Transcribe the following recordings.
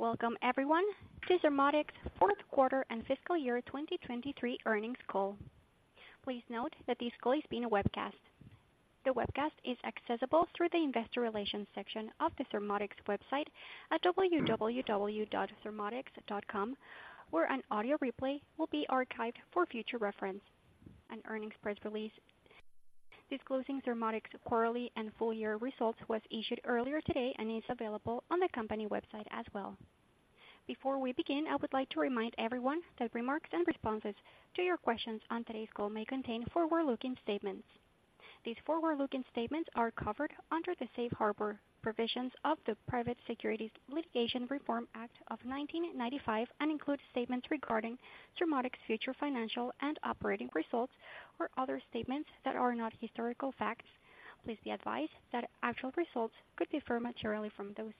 Welcome, everyone, to Surmodics' fourth quarter and Fiscal Year 2023 Earnings Call. Please note that this call is being webcast. The webcast is accessible through the Investor Relations section of the Surmodics website at www.surmodics.com, where an audio replay will be archived for future reference. An earnings press release disclosing Surmodics' quarterly and full year results was issued earlier today and is available on the company website as well. Before we begin, I would like to remind everyone that remarks and responses to your questions on today's call may contain forward-looking statements. These forward-looking statements are covered under the safe harbor provisions of the Private Securities Litigation Reform Act of 1995 and include statements regarding Surmodics' future financial and operating results, or other statements that are not historical facts. Please be advised that actual results could differ materially from those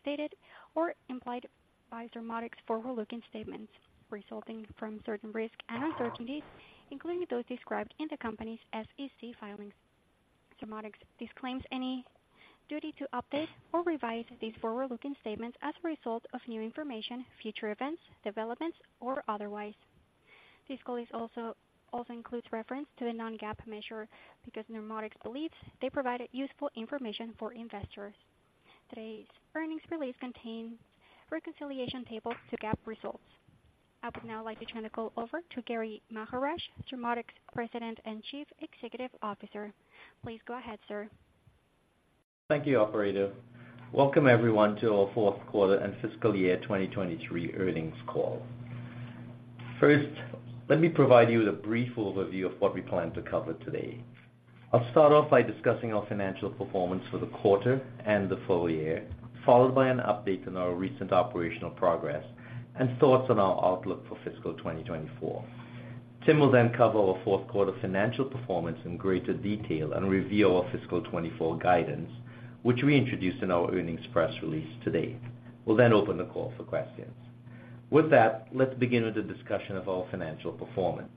stated or implied by Surmodics' forward-looking statements, resulting from certain risks and uncertainties, including those described in the company's SEC filings. Surmodics disclaims any duty to update or revise these forward-looking statements as a result of new information, future events, developments, or otherwise. This call also includes reference to a non-GAAP measure because Surmodics believes they provide useful information for investors. Today's earnings release contains reconciliation tables to GAAP results. I would now like to turn the call over to Gary Maharaj, Surmodics' President and Chief Executive Officer. Please go ahead, sir. Thank you, operator. Welcome, everyone, to our fourth quarter and Fiscal Year 2023 Earnings Call. First, let me provide you with a brief overview of what we plan to cover today. I'll start off by discussing our financial performance for the quarter and the full year, followed by an update on our recent operational progress and thoughts on our outlook for fiscal 2024. Tim will then cover our fourth quarter financial performance in greater detail and reveal our fiscal 2024 guidance, which we introduced in our earnings press release today. We'll then open the call for questions. With that, let's begin with a discussion of our financial performance.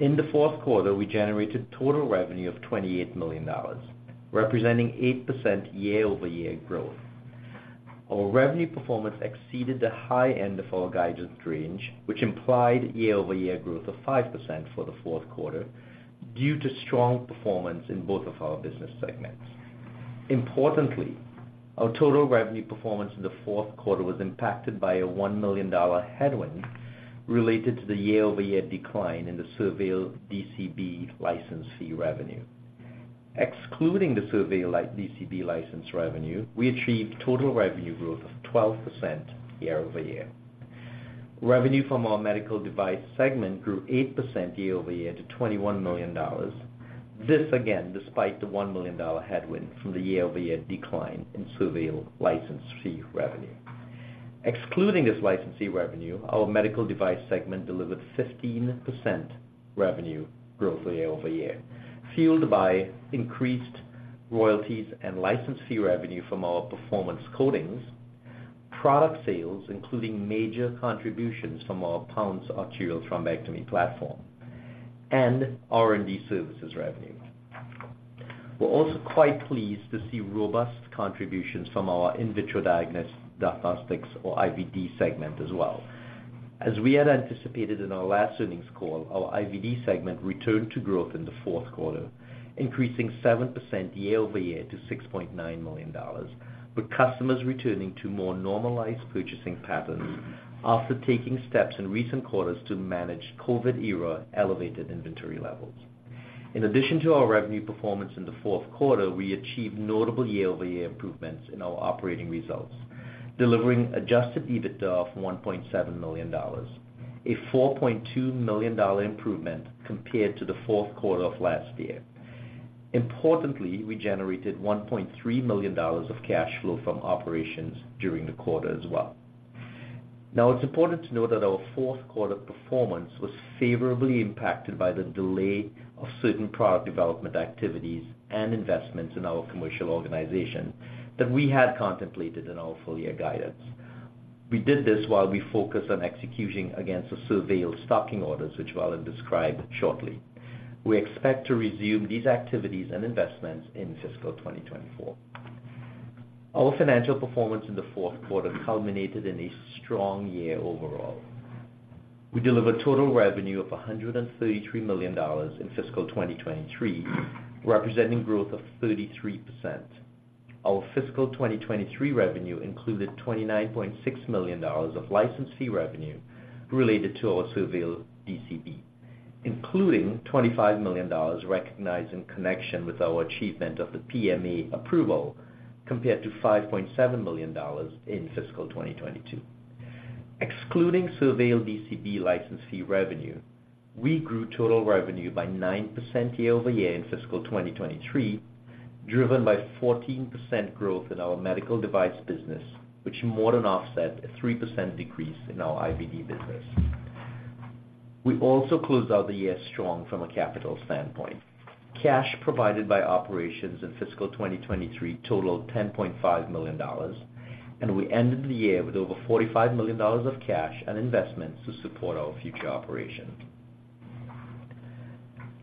In the fourth quarter, we generated total revenue of $28 million, representing 8% year-over-year growth. Our revenue performance exceeded the high end of our guidance range, which implied year-over-year growth of 5% for the fourth quarter, due to strong performance in both of our business segments. Importantly, our total revenue performance in the fourth quarter was impacted by a $1 million headwind related to the year-over-year decline in the SurVeil DCB license fee revenue. Excluding the SurVeil DCB license revenue, we achieved total revenue growth of 12% year-over-year. Revenue from our medical device segment grew 8% year-over-year to $21 million. This again, despite the $1 million headwind from the year-over-year decline in SurVeil license fee revenue. Excluding this licensing revenue, our medical device segment delivered 15% revenue growth year-over-year, fueled by increased royalties and license fee revenue from our performance coatings, product sales, including major contributions from our Pounce arterial thrombectomy platform and R&D services revenue. We're also quite pleased to see robust contributions from our in vitro diagnostics or IVD segment as well. As we had anticipated in our last earnings call, our IVD segment returned to growth in the fourth quarter, increasing 7% year-over-year to $6.9 million, with customers returning to more normalized purchasing patterns after taking steps in recent quarters to manage COVID-era elevated inventory levels. In addition to our revenue performance in the fourth quarter, we achieved notable year-over-year improvements in our operating results, delivering Adjusted EBITDA of $1.7 million, a $4.2 million improvement compared to the fourth quarter of last year. Importantly, we generated $1.3 million of cash flow from operations during the quarter as well. Now, it's important to note that our fourth quarter performance was favorably impacted by the delay of certain product development activities and investments in our commercial organization that we had contemplated in our full year guidance. We did this while we focused on executing against the SurVeil stocking orders, which I will describe shortly. We expect to resume these activities and investments in fiscal 2024. Our financial performance in the fourth quarter culminated in a strong year overall. We delivered total revenue of $133 million in fiscal 2023, representing growth of 33%. Our fiscal 2023 revenue included $29.6 million of license fee revenue related to our SurVeil DCB, including $25 million recognized in connection with our achievement of the PMA approval, compared to $5.7 million in fiscal 2022. Excluding SurVeil DCB license fee revenue, we grew total revenue by 9% year-over-year in fiscal 2023, driven by 14% growth in our medical device business, which more than offset a 3% decrease in our IVD business. We also closed out the year strong from a capital standpoint. Cash provided by operations in fiscal 2023 totaled $10.5 million, and we ended the year with over $45 million of cash and investments to support our future operations.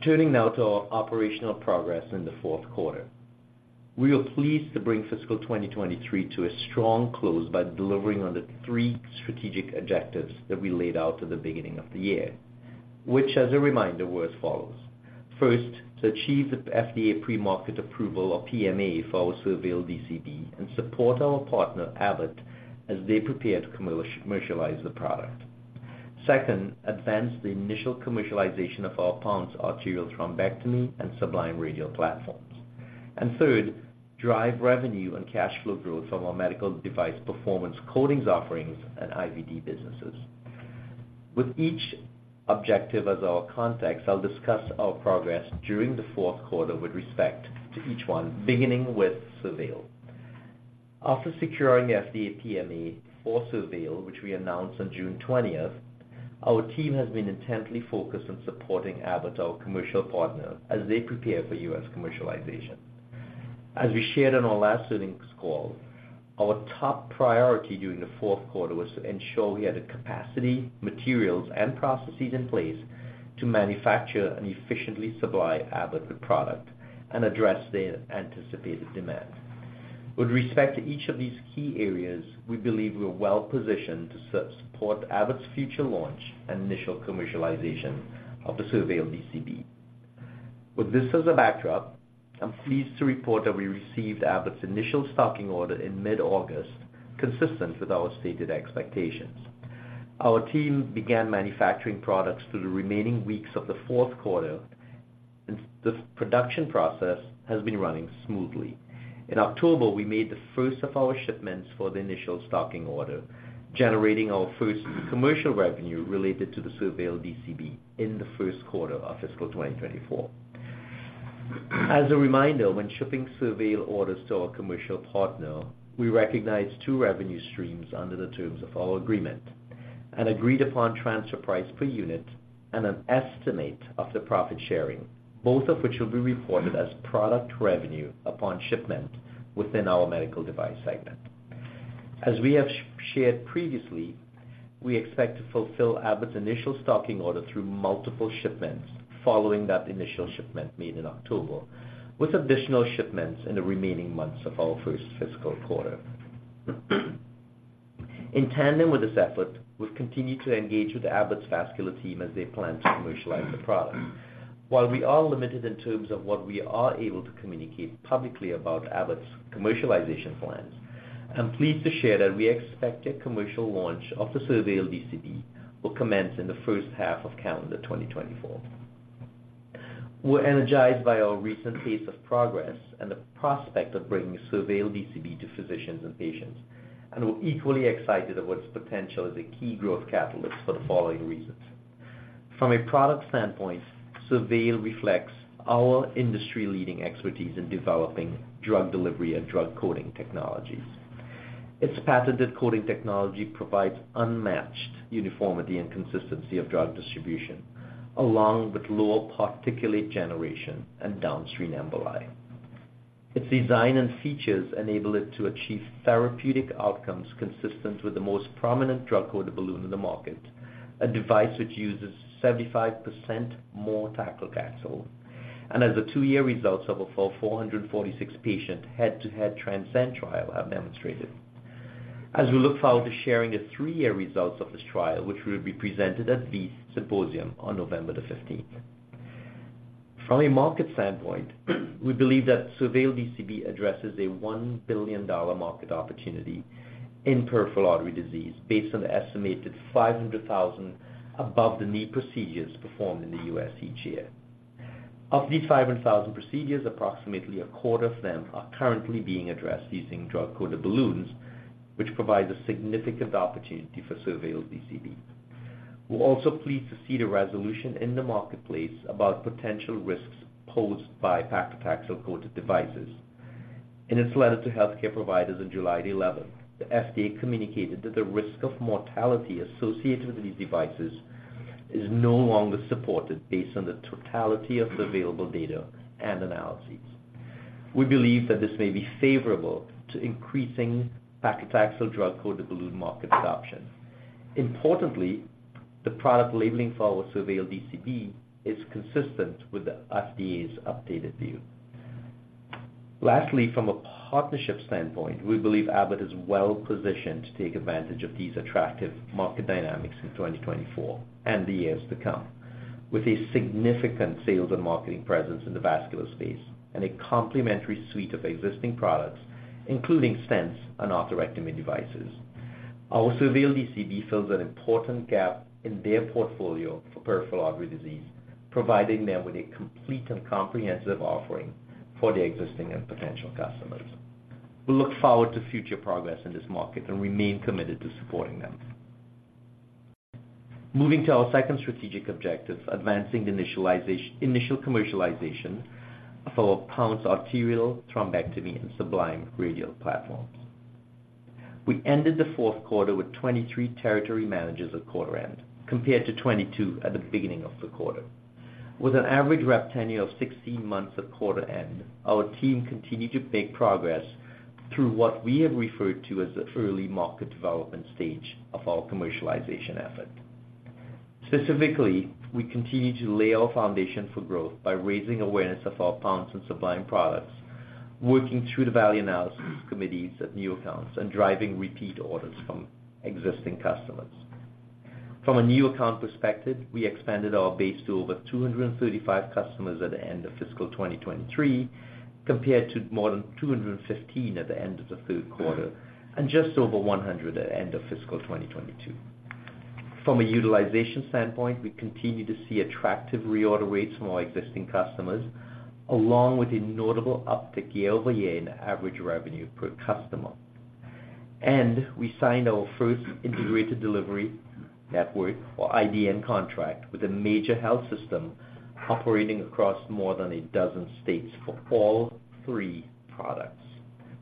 Turning now to our operational progress in the fourth quarter. We were pleased to bring fiscal 2023 to a strong close by delivering on the three strategic objectives that we laid out at the beginning of the year, which, as a reminder, were as follows. First, to achieve the FDA premarket approval, or PMA, for our SurVeil DCB and support our partner, Abbott, as they prepare to commercialize the product. Second, advance the initial commercialization of our Pounce arterial thrombectomy and Sublime Radial platforms. And third, drive revenue and cash flow growth from our medical device performance coatings offerings and IVD businesses. With each objective as our context, I'll discuss our progress during the fourth quarter with respect to each one, beginning with SurVeil. After securing the FDA PMA for SurVeil, which we announced on June 20, our team has been intently focused on supporting Abbott, our commercial partner, as they prepare for U.S. commercialization. As we shared on our last earnings call, our top priority during the fourth quarter was to ensure we had the capacity, materials, and processes in place to manufacture and efficiently supply Abbott with product and address their anticipated demand. With respect to each of these key areas, we believe we are well positioned to support Abbott's future launch and initial commercialization of the SurVeil DCB. With this as a backdrop, I'm pleased to report that we received Abbott's initial stocking order in mid-August, consistent with our stated expectations. Our team began manufacturing products through the remaining weeks of the fourth quarter, and the production process has been running smoothly. In October, we made the first of our shipments for the initial stocking order, generating our first commercial revenue related to the SurVeil DCB in the first quarter of fiscal 2024. As a reminder, when shipping SurVeil orders to our commercial partner, we recognize two revenue streams under the terms of our agreement, an agreed-upon transfer price per unit, and an estimate of the profit sharing, both of which will be reported as product revenue upon shipment within our medical device segment. As we have shared previously, we expect to fulfill Abbott's initial stocking order through multiple shipments following that initial shipment made in October, with additional shipments in the remaining months of our first fiscal quarter. In tandem with this effort, we've continued to engage with Abbott's vascular team as they plan to commercialize the product. While we are limited in terms of what we are able to communicate publicly about Abbott's commercialization plans, I'm pleased to share that we expect a commercial launch of the SurVeil DCB will commence in the first half of calendar 2024. We're energized by our recent pace of progress and the prospect of bringing SurVeil DCB to physicians and patients, and we're equally excited about its potential as a key growth catalyst for the following reasons. From a product standpoint, SurVeil reflects our industry-leading expertise in developing drug delivery and drug coating technologies. Its patented coating technology provides unmatched uniformity and consistency of drug distribution, along with lower particulate generation and downstream emboli. Its design and features enable it to achieve therapeutic outcomes consistent with the most prominent drug-coated balloon in the market, a device which uses 75% more paclitaxel, and as the two-year results of our 446-patient head-to-head TRANSCEND trial have demonstrated. As we look forward to sharing the three-year results of this trial, which will be presented at VEITHsymposium on November the fifteenth. From a market standpoint, we believe that SurVeil DCB addresses a $1 billion market opportunity in peripheral artery disease, based on the estimated 500,000 above-the-knee procedures performed in the U.S. each year. Of these 500,000 procedures, approximately a quarter of them are currently being addressed using drug-coated balloons, which provides a significant opportunity for SurVeil DCB. We're also pleased to see the resolution in the marketplace about potential risks posed by paclitaxel-coated devices. In its letter to healthcare providers on July 11th, the FDA communicated that the risk of mortality associated with these devices is no longer supported based on the totality of the available data and analyses. We believe that this may be favorable to increasing paclitaxel drug-coated balloon market adoption. Importantly, the product labeling for our SurVeil DCB is consistent with the FDA's updated view. Lastly, from a partnership standpoint, we believe Abbott is well positioned to take advantage of these attractive market dynamics in 2024 and the years to come, with a significant sales and marketing presence in the vascular space and a complementary suite of existing products, including stents and atherectomy devices. Our SurVeil DCB fills an important gap in their portfolio for peripheral artery disease, providing them with a complete and comprehensive offering for their existing and potential customers. We look forward to future progress in this market and remain committed to supporting them. Moving to our second strategic objective, advancing the initial commercialization of our Pounce Arterial Thrombectomy and Sublime Radial platforms. We ended the fourth quarter with 23 territory managers at quarter end, compared to 22 at the beginning of the quarter. With an average rep tenure of 16 months at quarter end, our team continued to make progress through what we have referred to as the early market development stage of our commercialization effort.... Specifically, we continue to lay our foundation for growth by raising awareness of our Pounce and Sublime products, working through the value analysis committees at new accounts, and driving repeat orders from existing customers. From a new account perspective, we expanded our base to over 235 customers at the end of fiscal 2023, compared to more than 215 at the end of the third quarter, and just over 100 at the end of fiscal 2022. From a utilization standpoint, we continue to see attractive reorder rates from our existing customers, along with a notable uptick year-over-year in average revenue per customer. We signed our first integrated delivery network, or IDN contract, with a major health system operating across more than a dozen states for all three products.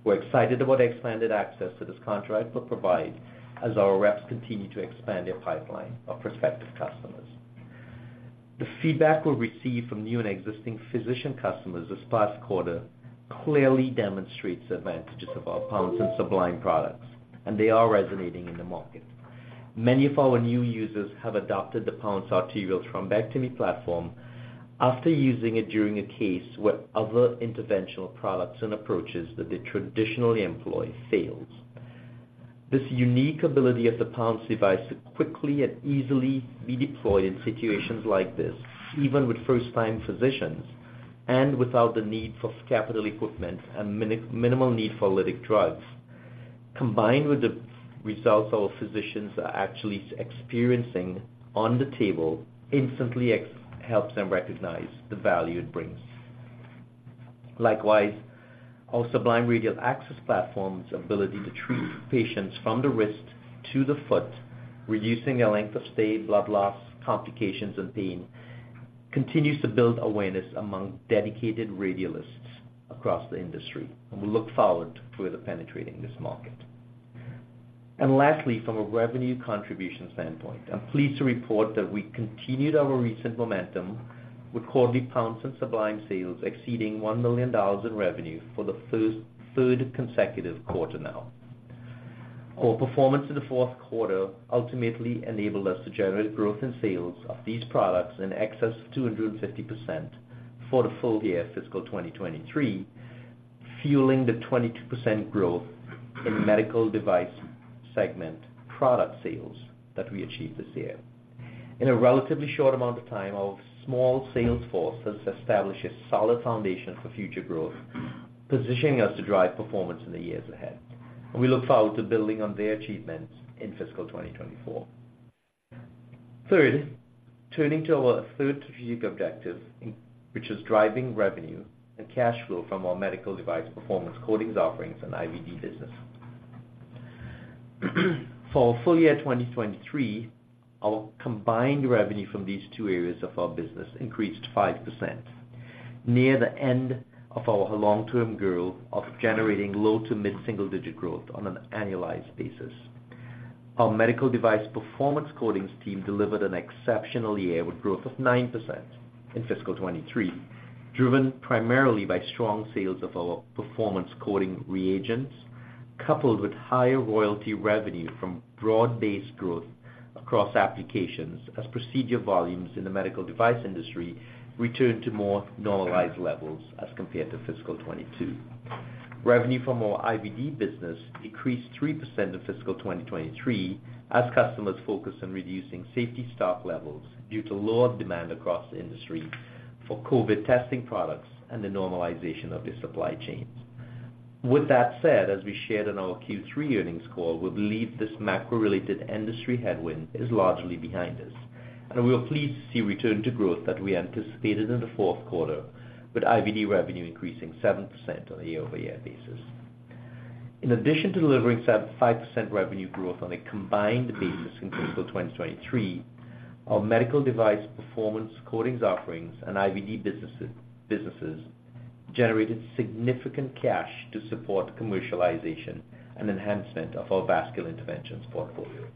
We're excited about the expanded access that this contract will provide as our reps continue to expand their pipeline of prospective customers. The feedback we received from new and existing physician customers this past quarter clearly demonstrates the advantages of our Pounce and Sublime products, and they are resonating in the market. Many of our new users have adopted the Pounce arterial thrombectomy platform after using it during a case where other interventional products and approaches that they traditionally employ, fails. This unique ability of the Pounce device to quickly and easily be deployed in situations like this, even with first-time physicians, and without the need for capital equipment and minimal need for lytic drugs, combined with the results our physicians are actually experiencing on the table, instantly helps them recognize the value it brings. Likewise, our Sublime Radial Access Platform's ability to treat patients from the wrist to the foot, reducing their length of stay, blood loss, complications, and pain, continues to build awareness among dedicated radialists across the industry, and we look forward to further penetrating this market. Lastly, from a revenue contribution standpoint, I'm pleased to report that we continued our recent momentum with quarterly Pounce and Sublime sales exceeding $1 million in revenue for the first third consecutive quarter now. Our performance in the fourth quarter ultimately enabled us to generate growth in sales of these products in excess of 250% for the full year, fiscal 2023, fueling the 22% growth in medical device segment product sales that we achieved this year. In a relatively short amount of time, our small sales force has established a solid foundation for future growth, positioning us to drive performance in the years ahead, and we look forward to building on their achievements in fiscal 2024. Third, turning to our third strategic objective, which is driving revenue and cash flow from our medical device performance coatings offerings and IVD business. For full year 2023, our combined revenue from these two areas of our business increased 5%, near the end of our long-term goal of generating low- to mid-single-digit growth on an annualized basis. Our medical device performance coatings team delivered an exceptional year, with growth of 9% in fiscal 2023, driven primarily by strong sales of our performance coating reagents, coupled with higher royalty revenue from broad-based growth across applications as procedure volumes in the medical device industry returned to more normalized levels as compared to fiscal 2022. Revenue from our IVD business decreased 3% in fiscal 2023 as customers focused on reducing safety stock levels due to lower demand across the industry for COVID testing products and the normalization of their supply chains. With that said, as we shared on our Q3 earnings call, we believe this macro-related industry headwind is largely behind us, and we are pleased to see return to growth that we anticipated in the fourth quarter, with IVD revenue increasing 7% on a year-over-year basis. In addition to delivering 7.5% revenue growth on a combined basis in fiscal 2023, our medical device performance coatings offerings and IVD businesses generated significant cash to support commercialization and enhancement of our vascular interventions portfolio.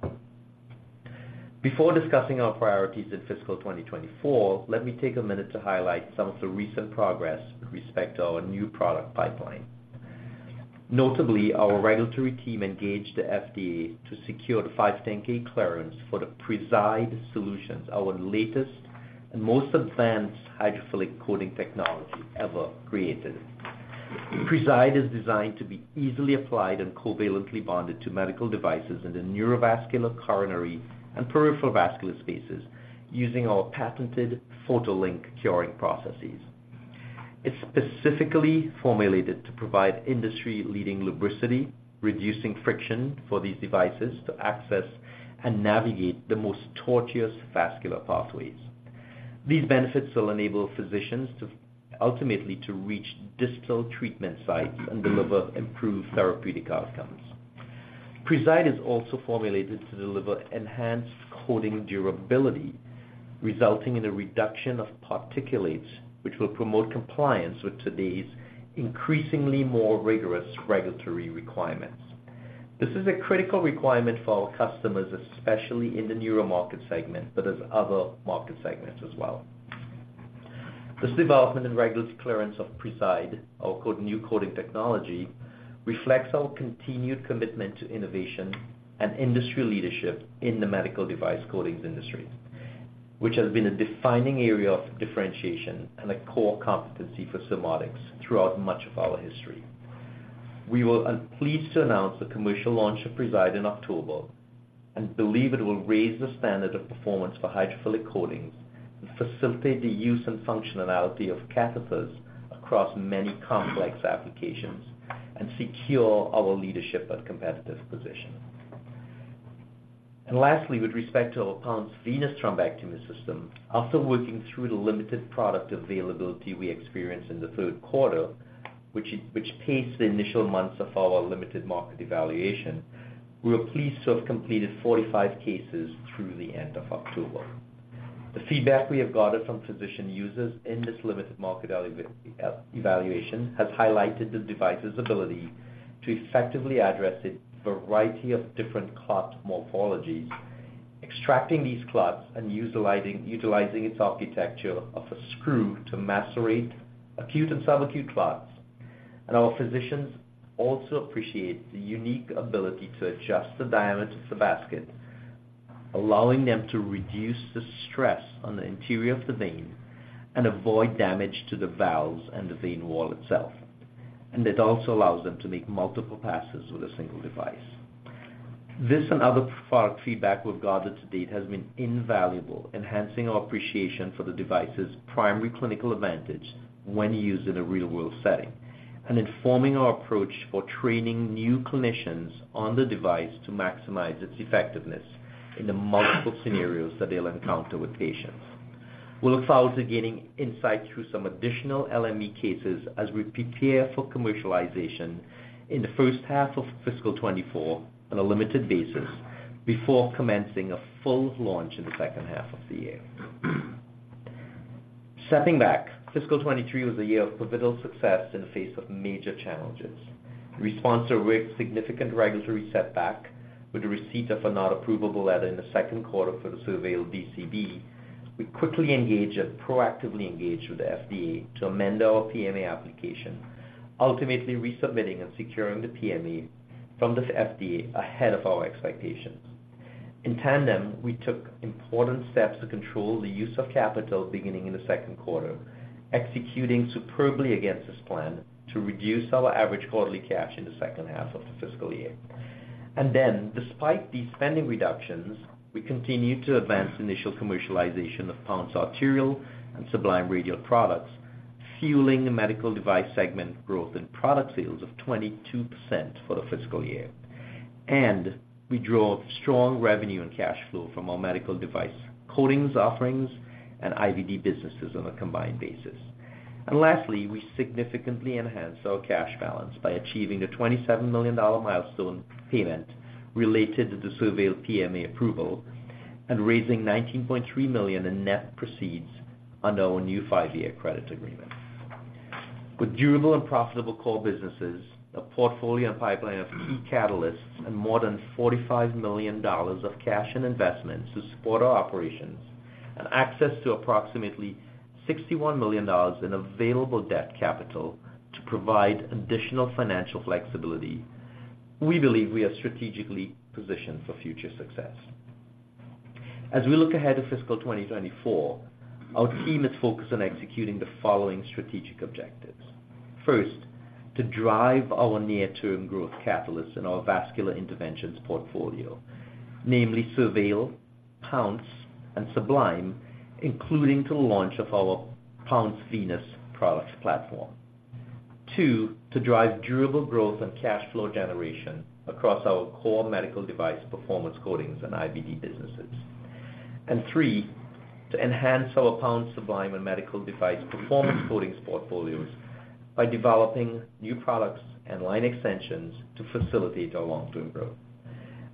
Before discussing our priorities in fiscal 2024, let me take a minute to highlight some of the recent progress with respect to our new product pipeline. Notably, our regulatory team engaged the FDA to secure the 510(k) clearance for the Preside solutions, our latest and most advanced hydrophilic coating technology ever created. Preside is designed to be easily applied and covalently bonded to medical devices in the neurovascular, coronary, and peripheral vascular spaces using our patented PhotoLink curing processes. It's specifically formulated to provide industry-leading lubricity, reducing friction for these devices to access and navigate the most tortuous vascular pathways. These benefits will enable physicians to, ultimately, to reach distal treatment sites and deliver improved therapeutic outcomes. Preside is also formulated to deliver enhanced coating durability, resulting in a reduction of particulates, which will promote compliance with today's increasingly more rigorous regulatory requirements. This is a critical requirement for our customers, especially in the neuro market segment, but there's other market segments as well. This development and regulatory clearance of Preside, our new coating technology, reflects our continued commitment to innovation and industry leadership in the medical device coatings industry, which has been a defining area of differentiation and a core competency for Surmodics throughout much of our history. We were pleased to announce the commercial launch of Preside in October, and believe it will raise the standard of performance for hydrophilic coatings and facilitate the use and functionality of catheters across many complex applications, and secure our leadership and competitive position. And lastly, with respect to our Pounce Venous Thrombectomy System, after working through the limited product availability we experienced in the third quarter, which paced the initial months of our limited market evaluation, we are pleased to have completed 45 cases through the end of October. The feedback we have gathered from physician users in this limited market evaluation has highlighted the device's ability to effectively address a variety of different clot morphologies, extracting these clots and utilizing its architecture of a screw to macerate acute and subacute clots. Our physicians also appreciate the unique ability to adjust the diameter of the basket, allowing them to reduce the stress on the interior of the vein and avoid damage to the valves and the vein wall itself. It also allows them to make multiple passes with a single device. This and other product feedback we've gathered to date has been invaluable, enhancing our appreciation for the device's primary clinical advantage when used in a real-world setting, and informing our approach for training new clinicians on the device to maximize its effectiveness in the multiple scenarios that they'll encounter with patients. We look forward to gaining insight through some additional LME cases as we prepare for commercialization in the first half of fiscal 2024 on a limited basis, before commencing a full launch in the second half of the year. Stepping back, fiscal 2023 was a year of pivotal success in the face of major challenges. In response to a significant regulatory setback, with the receipt of a not approvable letter in the second quarter for the SurVeil DCB, we quickly engaged and proactively engaged with the FDA to amend our PMA application, ultimately resubmitting and securing the PMA from the FDA ahead of our expectations. In tandem, we took important steps to control the use of capital beginning in the second quarter, executing superbly against this plan to reduce our average quarterly cash in the second half of the fiscal year. Despite these spending reductions, we continued to advance initial commercialization of Pounce arterial and Sublime Radial products, fueling the medical device segment growth and product sales of 22% for the fiscal year. We drove strong revenue and cash flow from our medical device coatings offerings and IVD businesses on a combined basis. Lastly, we significantly enhanced our cash balance by achieving a $27 million milestone payment related to the SurVeil PMA approval and raising $19.3 million in net proceeds under our new five-year credit agreement. With durable and profitable core businesses, a portfolio and pipeline of key catalysts, and more than $45 million of cash and investments to support our operations, and access to approximately $61 million in available debt capital to provide additional financial flexibility, we believe we are strategically positioned for future success. As we look ahead to fiscal 2024, our team is focused on executing the following strategic objectives. First, to drive our near-term growth catalysts in our vascular interventions portfolio, namely SurVeil, Pounce, and Sublime, including the launch of our Pounce Venous products platform. Two, to drive durable growth and cash flow generation across our core medical device performance coatings and IVD businesses. And three, to enhance our Pounce, Sublime, and medical device performance coatings portfolios by developing new products and line extensions to facilitate our long-term growth.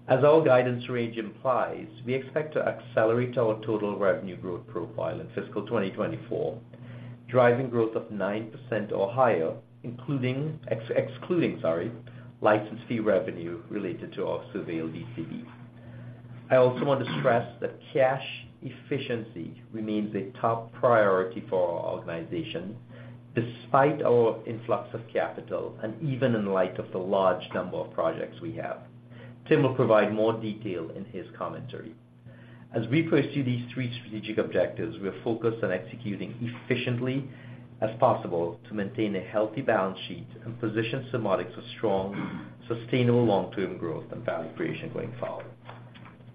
As our guidance range implies, we expect to accelerate our total revenue growth profile in fiscal 2024, driving growth of 9% or higher, excluding license fee revenue related to our SurVeil DCB. I also want to stress that cash efficiency remains a top priority for our organization, despite our influx of capital and even in light of the large number of projects we have. Tim will provide more detail in his commentary. As we pursue these three strategic objectives, we are focused on executing efficiently as possible to maintain a healthy balance sheet and position Surmodics for strong, sustainable long-term growth and value creation going forward.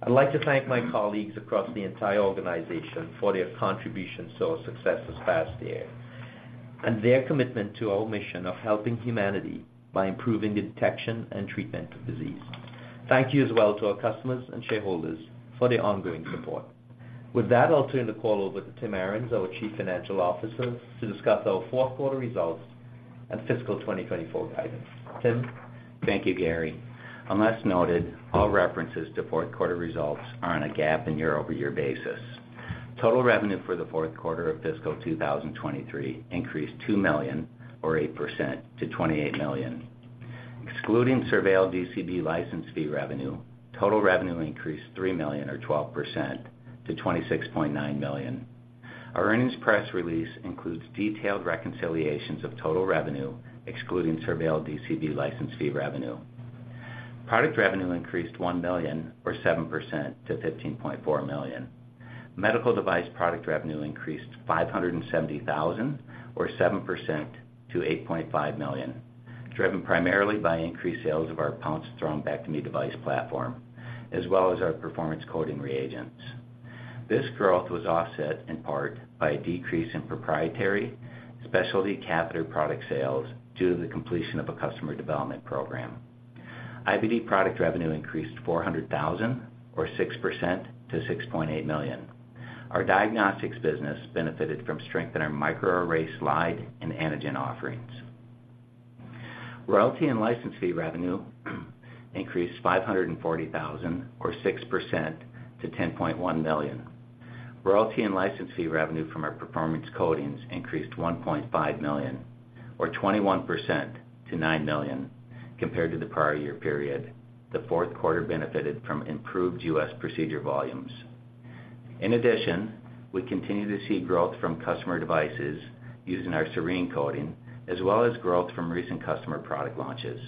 I'd like to thank my colleagues across the entire organization for their contributions to our success this past year, and their commitment to our mission of helping humanity by improving the detection and treatment of disease. Thank you as well to our customers and shareholders for their ongoing support. With that, I'll turn the call over to Tim Arens, our Chief Financial Officer, to discuss our fourth quarter results and fiscal 2024 guidance. Tim? Thank you, Gary. Unless noted, all references to fourth quarter results are on a GAAP and year-over-year basis. Total revenue for the fourth quarter of fiscal 2023 increased $2 million or 8% to $28 million. Excluding SurVeil DCB license fee revenue, total revenue increased $3 million or 12% to $26.9 million. Our earnings press release includes detailed reconciliations of total revenue, excluding SurVeil DCB license fee revenue. Product revenue increased $1 million or 7% to $15.4 million. Medical device product revenue increased $570,000 or 7% to $8.5 million, driven primarily by increased sales of our Pounce thrombectomy device platform, as well as our performance coating reagents. This growth was offset in part by a decrease in proprietary specialty catheter product sales due to the completion of a customer development program. IVD product revenue increased $400,000 or 6% to $6.8 million. Our diagnostics business benefited from strength in our microarray slide and antigen offerings. Royalty and license fee revenue increased $540,000 or 6% to $10.1 million. Royalty and license fee revenue from our performance coatings increased $1.5 million or 21% to $9 million compared to the prior year period. The fourth quarter benefited from improved U.S. procedure volumes. In addition, we continue to see growth from customer devices using our Serene coating, as well as growth from recent customer product launches.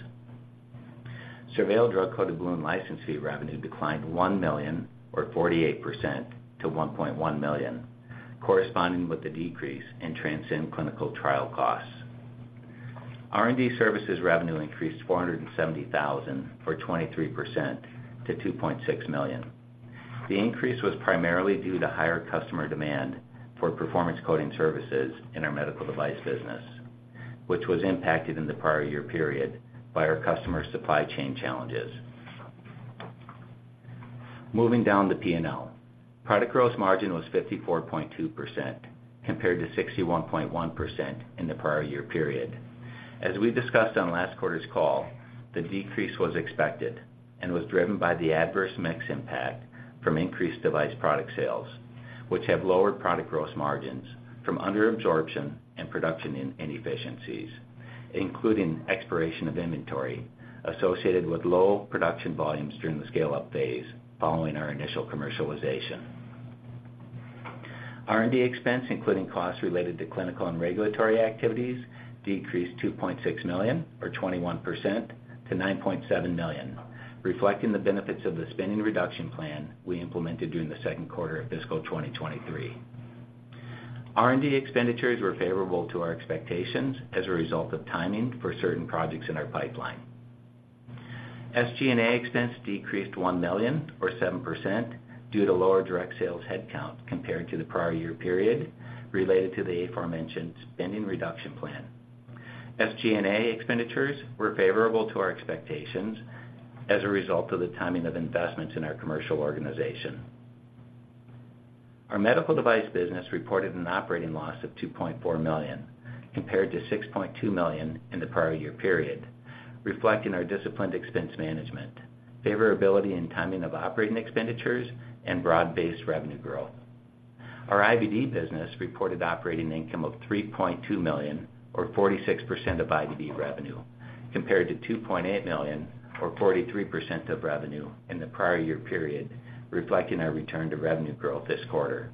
SurVeil drug-coated balloon license fee revenue declined $1 million or 48% to $1.1 million, corresponding with the decrease in TRANSCEND clinical trial costs. R&D services revenue increased $470,000 or 23% to $2.6 million. The increase was primarily due to higher customer demand for performance coating services in our medical device business, which was impacted in the prior year period by our customer supply chain challenges. Moving down the P&L. Product gross margin was 54.2% compared to 61.1% in the prior year period. As we discussed on last quarter's call, the decrease was expected and was driven by the adverse mix impact from increased device product sales, which have lowered product gross margins from underabsorption and production inefficiencies, including expiration of inventory associated with low production volumes during the scale-up phase following our initial commercialization. R&D expense, including costs related to clinical and regulatory activities, decreased $2.6 million or 21% to $9.7 million, reflecting the benefits of the spending reduction plan we implemented during the second quarter of fiscal 2023. R&D expenditures were favorable to our expectations as a result of timing for certain projects in our pipeline. SG&A expense decreased $1 million or 7% due to lower direct sales headcount compared to the prior year period related to the aforementioned spending reduction plan. SG&A expenditures were favorable to our expectations as a result of the timing of investments in our commercial organization. Our medical device business reported an operating loss of $2.4 million, compared to $6.2 million in the prior year period, reflecting our disciplined expense management, favorability and timing of operating expenditures, and broad-based revenue growth. Our IVD business reported operating income of $3.2 million, or 46% of IVD revenue, compared to $2.8 million or 43% of revenue in the prior year period, reflecting our return to revenue growth this quarter.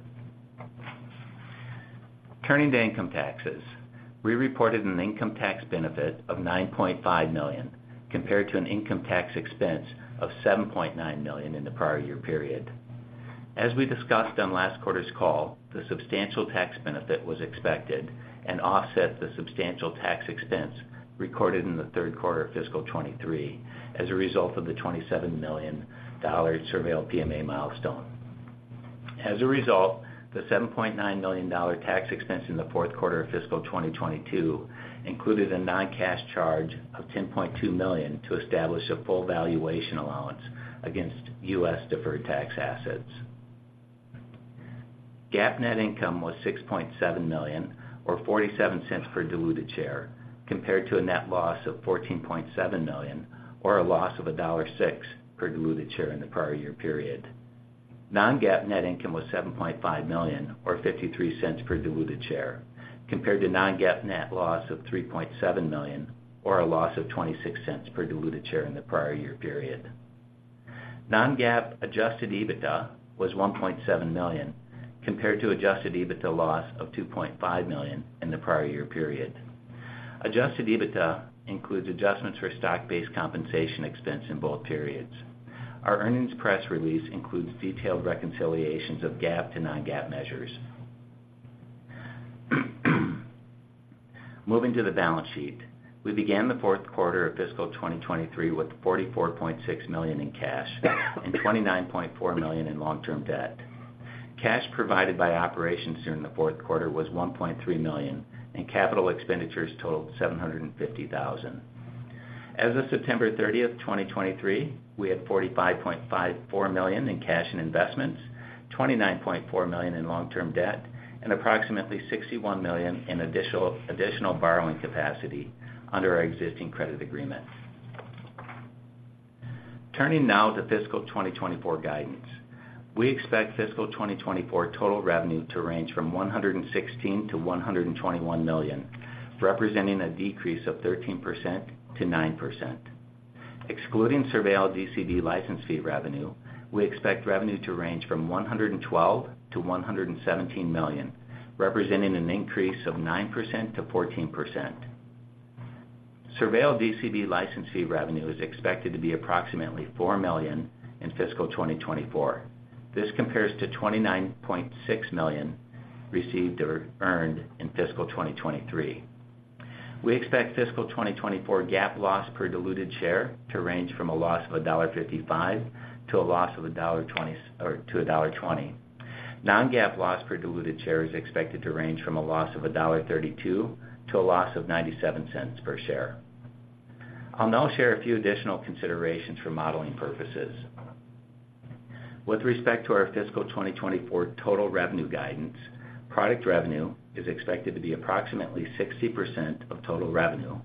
Turning to income taxes. We reported an income tax benefit of $9.5 million, compared to an income tax expense of $7.9 million in the prior year period. As we discussed on last quarter's call, the substantial tax benefit was expected and offset the substantial tax expense recorded in the third quarter of fiscal 2023 as a result of the $27 million SurVeil PMA milestone. As a result, the $7.9 million dollar tax expense in the fourth quarter of fiscal 2022 included a non-cash charge of $10.2 million to establish a full valuation allowance against U.S. deferred tax assets. GAAP net income was $6.7 million or $0.47 per diluted share, compared to a net loss of $14.7 million or a loss of $1.06 per diluted share in the prior year period. Non-GAAP net income was $7.5 million or $0.53 per diluted share, compared to non-GAAP net loss of $3.7 million or a loss of $0.26 per diluted share in the prior year period. Non-GAAP adjusted EBITDA was $1.7 million, compared to adjusted EBITDA loss of $2.5 million in the prior year period. Adjusted EBITDA includes adjustments for stock-based compensation expense in both periods. Our earnings press release includes detailed reconciliations of GAAP to non-GAAP measures. Moving to the balance sheet. We began the fourth quarter of fiscal 2023 with $44.6 million in cash and $29.4 million in long-term debt. Cash provided by operations during the fourth quarter was $1.3 million, and capital expenditures totaled $750,000. As of September 30, 2023, we had $45.54 million in cash and investments, $29.4 million in long-term debt, and approximately $61 million in additional borrowing capacity under our existing credit agreement. Turning now to fiscal 2024 guidance. We expect fiscal 2024 total revenue to range from $116 million-$121 million, representing a decrease of 13%-9%. Excluding SurVeil DCB license fee revenue, we expect revenue to range from $112 million-$117 million, representing an increase of 9%-14%. SurVeil DCB license fee revenue is expected to be approximately $4 million in fiscal 2024. This compares to $29.6 million received or earned in fiscal 2023. We expect fiscal 2024 GAAP loss per diluted share to range from a loss of $1.55 to a loss of $1.20. Non-GAAP loss per diluted share is expected to range from a loss of $1.32 to a loss of $0.97 per share. I'll now share a few additional considerations for modeling purposes. With respect to our fiscal 2024 total revenue guidance, product revenue is expected to be approximately 60% of total revenue,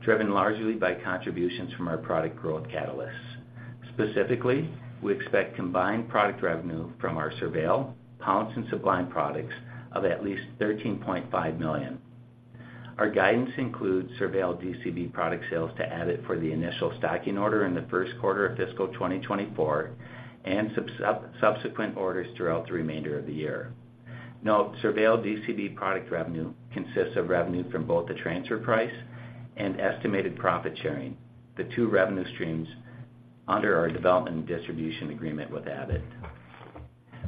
driven largely by contributions from our product growth catalysts. Specifically, we expect combined product revenue from our SurVeil, Pounce, and Sublime products of at least $13.5 million. Our guidance includes SurVeil DCB product sales to Abbott for the initial stocking order in the first quarter of fiscal 2024 and subsequent orders throughout the remainder of the year. Note, SurVeil DCB product revenue consists of revenue from both the transfer price and estimated profit sharing, the two revenue streams under our development and distribution agreement with Abbott.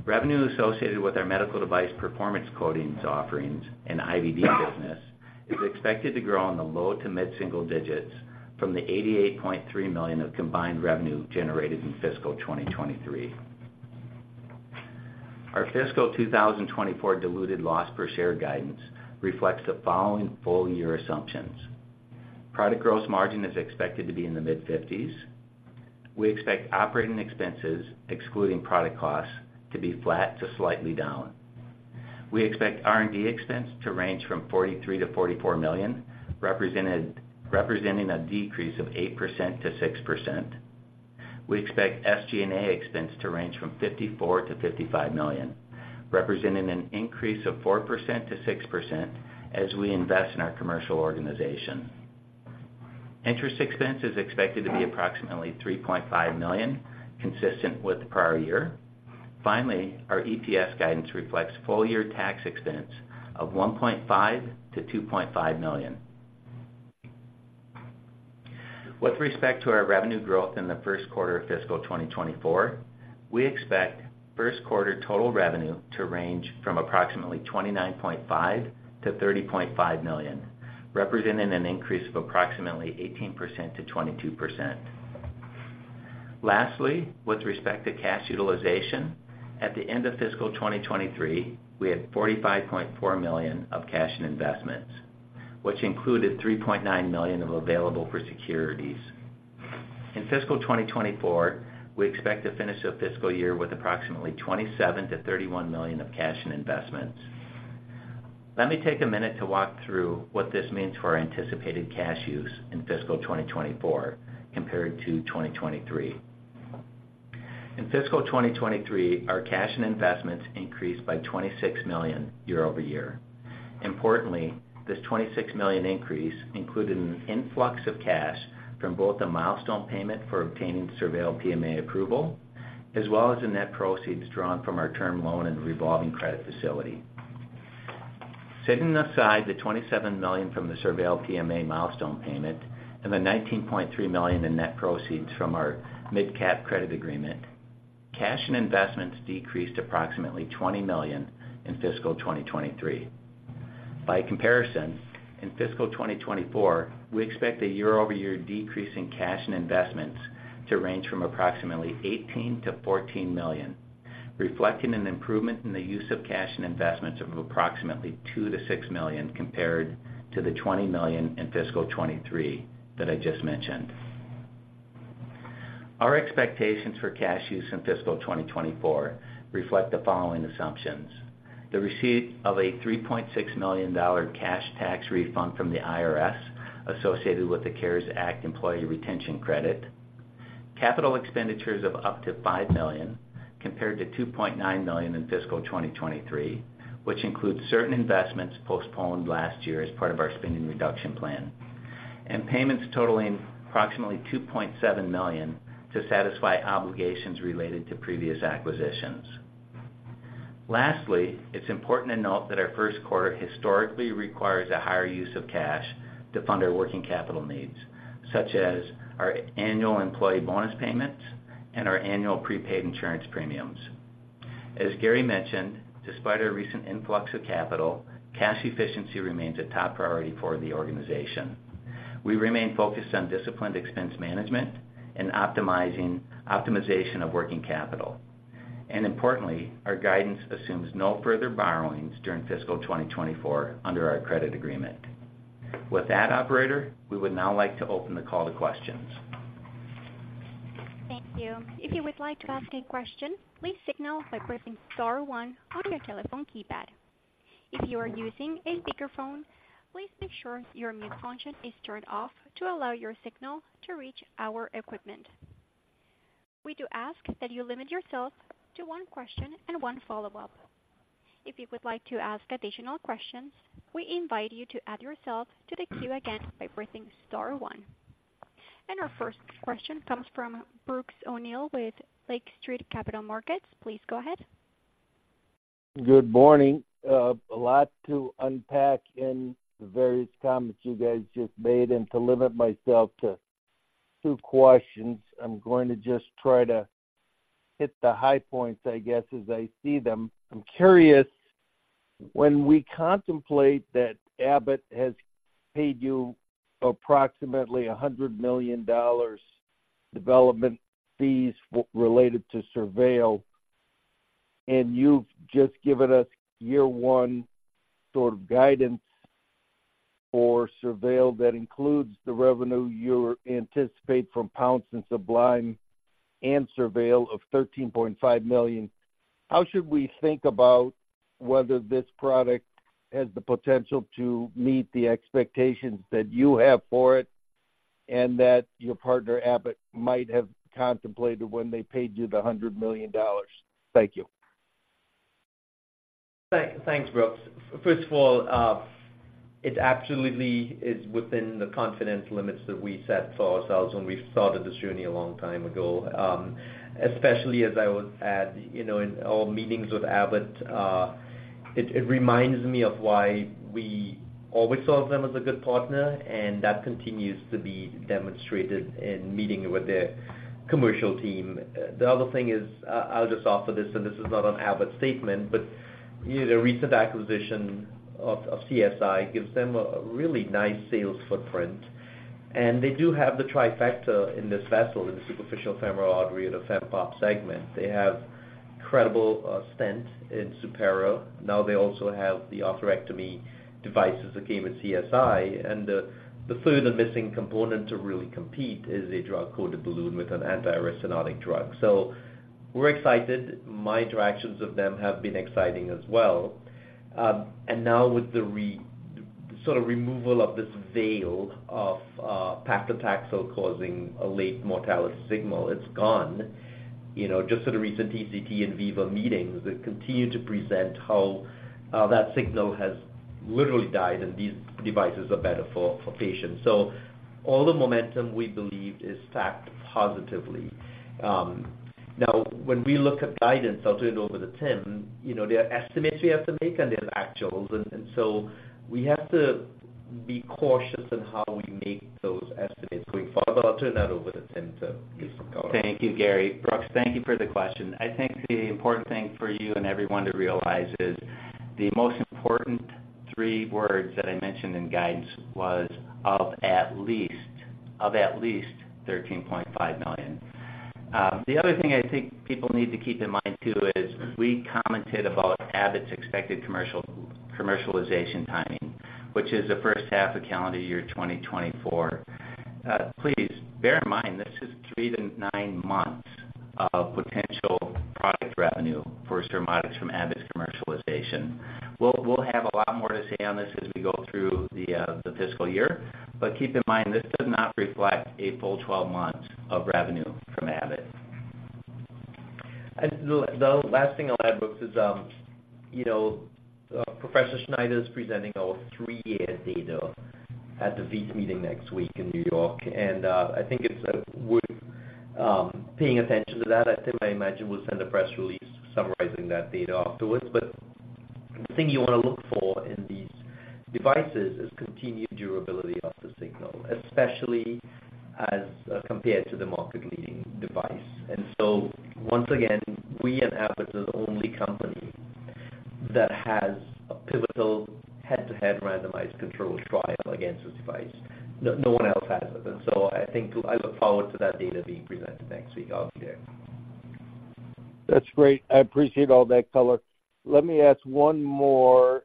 Revenue associated with our medical device performance coatings offerings and IVD business is expected to grow in the low- to mid-single digits from the $88.3 million of combined revenue generated in fiscal 2023. Our fiscal 2024 diluted loss per share guidance reflects the following full year assumptions. Product gross margin is expected to be in the mid-fifties. We expect operating expenses, excluding product costs, to be flat to slightly down. We expect R&D expense to range from $43 million-$44 million, representing a decrease of 8%-6%. We expect SG&A expense to range from $54-$55 million, representing an increase of 4%-6% as we invest in our commercial organization. Interest expense is expected to be approximately $3.5 million, consistent with the prior year. Finally, our EPS guidance reflects full year tax expense of $1.5-$2.5 million. With respect to our revenue growth in the first quarter of fiscal 2024, we expect first quarter total revenue to range from approximately $29.5-$30.5 million, representing an increase of approximately 18%-22%. Lastly, with respect to cash utilization, at the end of fiscal 2023, we had $45.4 million of cash and investments, which included $3.9 million of available for securities. In fiscal 2024, we expect to finish the fiscal year with approximately $27 million-$31 million of cash and investments. Let me take a minute to walk through what this means for our anticipated cash use in fiscal 2024 compared to 2023. In fiscal 2023, our cash and investments increased by $26 million year-over-year. Importantly, this $26 million increase included an influx of cash from both the milestone payment for obtaining SurVeil PMA approval, as well as the net proceeds drawn from our term loan and revolving credit facility. Setting aside the $27 million from the SurVeil PMA milestone payment and the $19.3 million in net proceeds from our MidCap credit agreement, cash and investments decreased approximately $20 million in fiscal 2023. By comparison, in fiscal 2024, we expect a year-over-year decrease in cash and investments to range from approximately $18 million-$14 million, reflecting an improvement in the use of cash and investments of approximately $2 million-$6 million, compared to the $20 million in fiscal 2023 that I just mentioned. Our expectations for cash use in fiscal 2024 reflect the following assumptions: The receipt of a $3.6 million cash tax refund from the IRS associated with the CARES Act employee retention credit, capital expenditures of up to $5 million, compared to $2.9 million in fiscal 2023, which includes certain investments postponed last year as part of our spending reduction plan, and payments totaling approximately $2.7 million to satisfy obligations related to previous acquisitions. Lastly, it's important to note that our first quarter historically requires a higher use of cash to fund our working capital needs, such as our annual employee bonus payments and our annual prepaid insurance premiums. As Gary mentioned, despite our recent influx of capital, cash efficiency remains a top priority for the organization. We remain focused on disciplined expense management and optimization of working capital. And importantly, our guidance assumes no further borrowings during fiscal 2024 under our credit agreement. With that, operator, we would now like to open the call to questions. Thank you. If you would like to ask a question, please signal by pressing star one on your telephone keypad. If you are using a speakerphone, please make sure your mute function is turned off to allow your signal to reach our equipment. We do ask that you limit yourself to one question and one follow-up. If you would like to ask additional questions, we invite you to add yourself to the queue again by pressing star one. And our first question comes from Brooks O'Neil with Lake Street Capital Markets. Please go ahead. Good morning. A lot to unpack in the various comments you guys just made, and to limit myself to two questions, I'm going to just try to hit the high points, I guess, as I see them. I'm curious, when we contemplate that Abbott has paid you approximately $100 million development fees related to SurVeil, and you've just given us year one sort of guidance for SurVeil, that includes the revenue you anticipate from Pounce and Sublime and SurVeil of $13.5 million. How should we think about whether this product has the potential to meet the expectations that you have for it, and that your partner, Abbott, might have contemplated when they paid you the $100 million? Thank you. Thanks, Brooks. First of all, it absolutely is within the confidence limits that we set for ourselves when we started this journey a long time ago. Especially as I would add, you know, in all meetings with Abbott, it reminds me of why we always saw them as a good partner, and that continues to be demonstrated in meeting with their commercial team. The other thing is, I'll just offer this, and this is not an Abbott statement, but, you know, the recent acquisition of CSI gives them a really nice sales footprint, and they do have the trifecta in this vessel, in the superficial femoral artery, in the fem-pop segment. They have incredible stent in Supera. Now they also have the atherectomy devices that came with CSI, and the third and missing component to really compete is a drug-coated balloon with an anti-restenotic drug. So we're excited. My interactions with them have been exciting as well. And now with the recent sort of removal of this veil of paclitaxel causing a late mortality signal, it's gone. You know, just at a recent TCT and VIVA meetings, they continue to present how that signal has literally died, and these devices are better for patients. So all the momentum, we believe, is stacked positively. Now, when we look at guidance, I'll turn it over to Tim. You know, there are estimates we have to make, and there are actuals, and, and so we have to be cautious in how we make those estimates going forward, but I'll turn that over to Tim to give some color. Thank you, Gary. Brooks, thank you for the question. I think the important thing for you and everyone to realize is, the most important three words that I mentioned in guidance was, "Of at least." Of at least $13.5 million. The other thing I think people need to keep in mind, too, is we commented about Abbott's expected commercialization timing, which is the first half of calendar year 2024. Please bear in mind, this is three to nine months of potential product revenue for Surmodics from Abbott's commercialization. We'll have a lot more to say on this as we go through the fiscal year, but keep in mind, this does not reflect a full 12 months of revenue from Abbott. The last thing I'll add, Brooks, is, you know, Professor Schneider is presenting our 3-year data at the VEITH meeting next week in New York, and I think it's worth paying attention to that. I think, I imagine, we'll send a press release summarizing that data afterwards. But the thing you wanna look for in these devices is continued durability of the signal, especially as compared to the market-leading device. And so once again, we and Abbott are the only company that has a pivotal head-to-head randomized controlled trial against this device. No one else has it. And so I think I look forward to that data being presented next week. I'll be there. That's great. I appreciate all that color. Let me ask one more.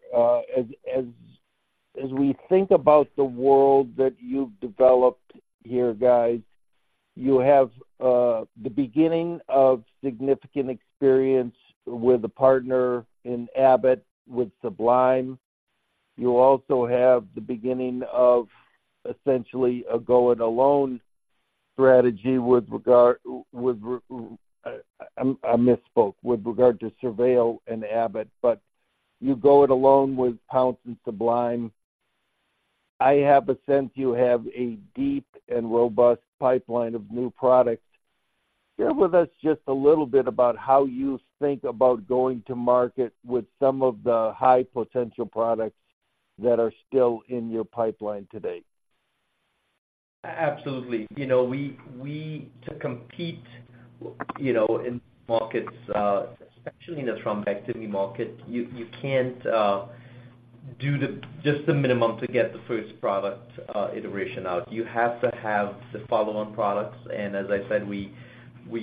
As we think about the world that you've developed here, guys, you have the beginning of significant experience with a partner in Abbott, with Sublime. You also have the beginning of essentially a go-it-alone strategy with regard, I misspoke, with regard to SurVeil and Abbott, but you go it alone with Pounce and Sublime. I have a sense you have a deep and robust pipeline of new products. Share with us just a little bit about how you think about going to market with some of the high-potential products that are still in your pipeline today. Absolutely. You know, to compete, you know, in markets, especially in the thrombectomy market, you can't do just the minimum to get the first product iteration out. You have to have the follow-on products, and as I said, we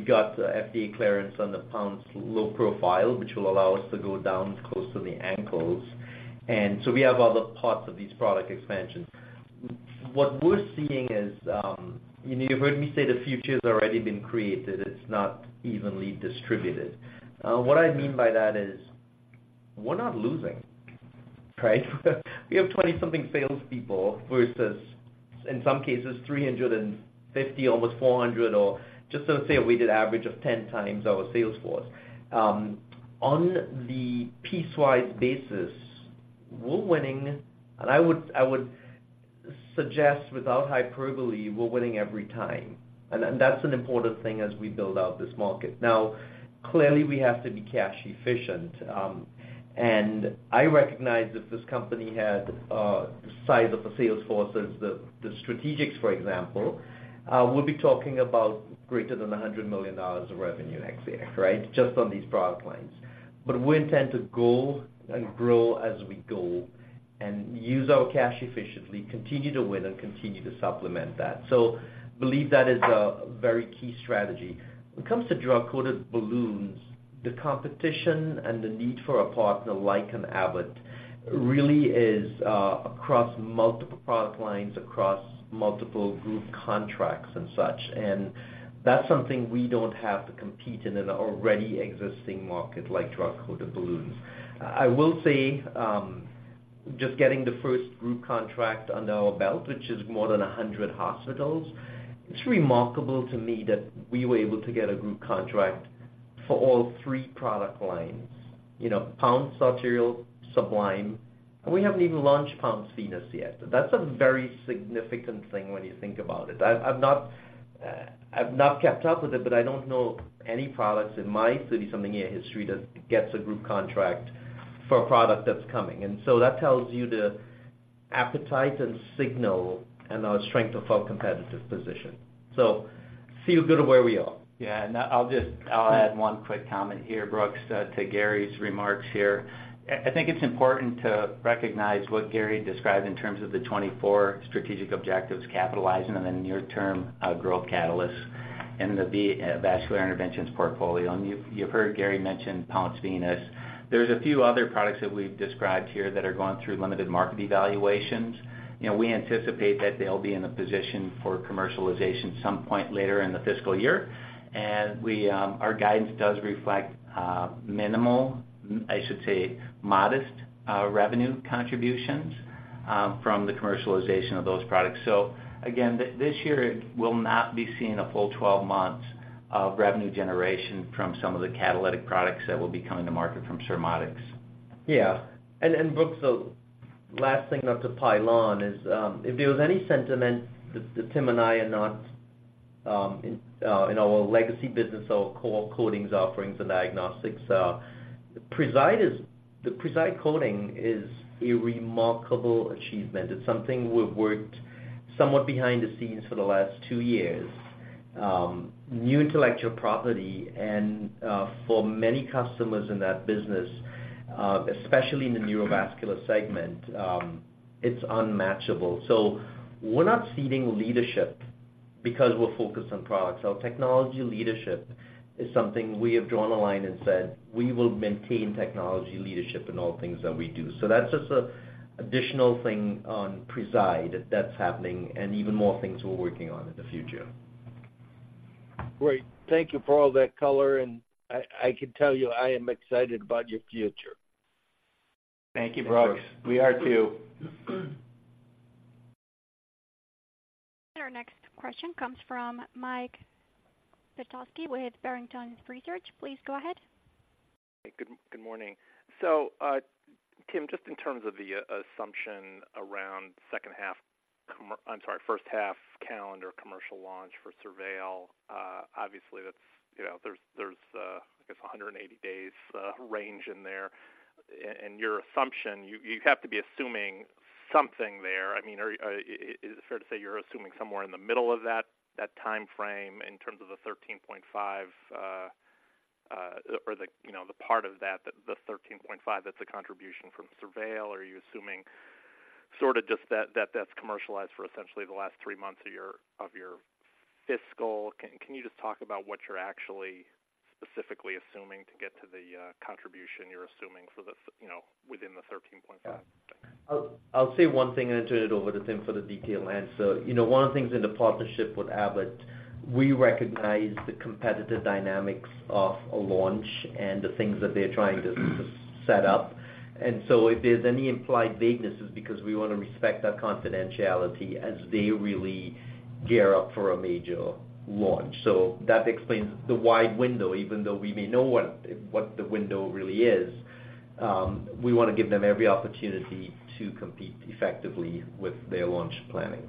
got the FDA clearance on the Pounce low profile, which will allow us to go down close to the ankles. And so we have other parts of these product expansions. What we're seeing is, you know, you've heard me say the future's already been created. It's not evenly distributed. What I mean by that is, we're not losing. Right? We have twenty-something salespeople versus, in some cases, 350, almost 400, or just to say, a weighted average of 10x our sales force. On the piece-wise basis, we're winning, and I would suggest, without hyperbole, we're winning every time. And that's an important thing as we build out this market. Now, clearly, we have to be cash efficient. And I recognize if this company had the size of the sales force as the strategics, for example, we'll be talking about greater than $100 million of revenue next year, right? Just on these product lines. But we intend to go and grow as we go, and use our cash efficiently, continue to win, and continue to supplement that. So believe that is a very key strategy. When it comes to drug-coated balloons, the competition and the need for a partner like an Abbott really is across multiple product lines, across multiple group contracts and such. That's something we don't have to compete in an already existing market like drug-coated balloons. I will say, just getting the first group contract under our belt, which is more than 100 hospitals, it's remarkable to me that we were able to get a group contract for all three product lines. You know, Pounce Arterial, Sublime, and we haven't even launched Pounce Venous yet. That's a very significant thing when you think about it. I've not kept up with it, but I don't know any products in my thirty-something-year history that gets a group contract for a product that's coming. And so that tells you the appetite and signal and our strength of our competitive position. So feel good of where we are. Yeah, and I'll just... I'll add one quick comment here, Brooks, to Gary's remarks here. I think it's important to recognize what Gary described in terms of the 24 strategic objectives, capitalizing on the near-term growth catalysts and the vascular interventions portfolio. And you've heard Gary mention Pounce venous. There's a few other products that we've described here that are going through limited market evaluations. You know, we anticipate that they'll be in a position for commercialization at some point later in the fiscal year. And our guidance does reflect minimal, I should say, modest revenue contributions from the commercialization of those products. So again, this year will not be seeing a full 12 months of revenue generation from some of the catalytic products that will be coming to market from Surmodics. Yeah. Brooks, the last thing not to pile on is, if there was any sentiment that Tim and I are not in our legacy business, our core coatings offerings and diagnostics, the Preside coating is a remarkable achievement. It's something we've worked somewhat behind the scenes for the last two years, new intellectual property. And, for many customers in that business, especially in the neurovascular segment, it's unmatchable. So we're not ceding leadership because we're focused on products. Our technology leadership is something we have drawn a line and said, "We will maintain technology leadership in all things that we do." So that's just an additional thing on Preside that's happening and even more things we're working on in the future. Great. Thank you for all that color, and I can tell you, I am excited about your future. Thank you, Brooks. Thanks. We are, too. Our next question comes from Mike Petusky, with Barrington Research. Please go ahead. Good morning. So, Tim, just in terms of the assumption around second half com- I'm sorry, first half calendar commercial launch for SurVeil. Obviously, that's, you know, there's a 180 days range in there. And your assumption, you have to be assuming something there. I mean, is it fair to say you're assuming somewhere in the middle of that time frame in terms of the $13.5, or the part of that, the $13.5, that's a contribution from SurVeil? Or are you assuming sort of just that, that's commercialized for essentially the last three months of your fiscal? Can you just talk about what you're actually specifically assuming to get to the contribution you're assuming for the f- you know, within the $13.5? Yeah. I'll say one thing and then turn it over to Tim for the detailed answer. You know, one of the things in the partnership with Abbott, we recognize the competitive dynamics of a launch and the things that they're trying to set up. And so if there's any implied vagueness, it's because we want to respect that confidentiality as they really gear up for a major launch. So that explains the wide window. Even though we may know what the window really is, we want to give them every opportunity to compete effectively with their launch planning.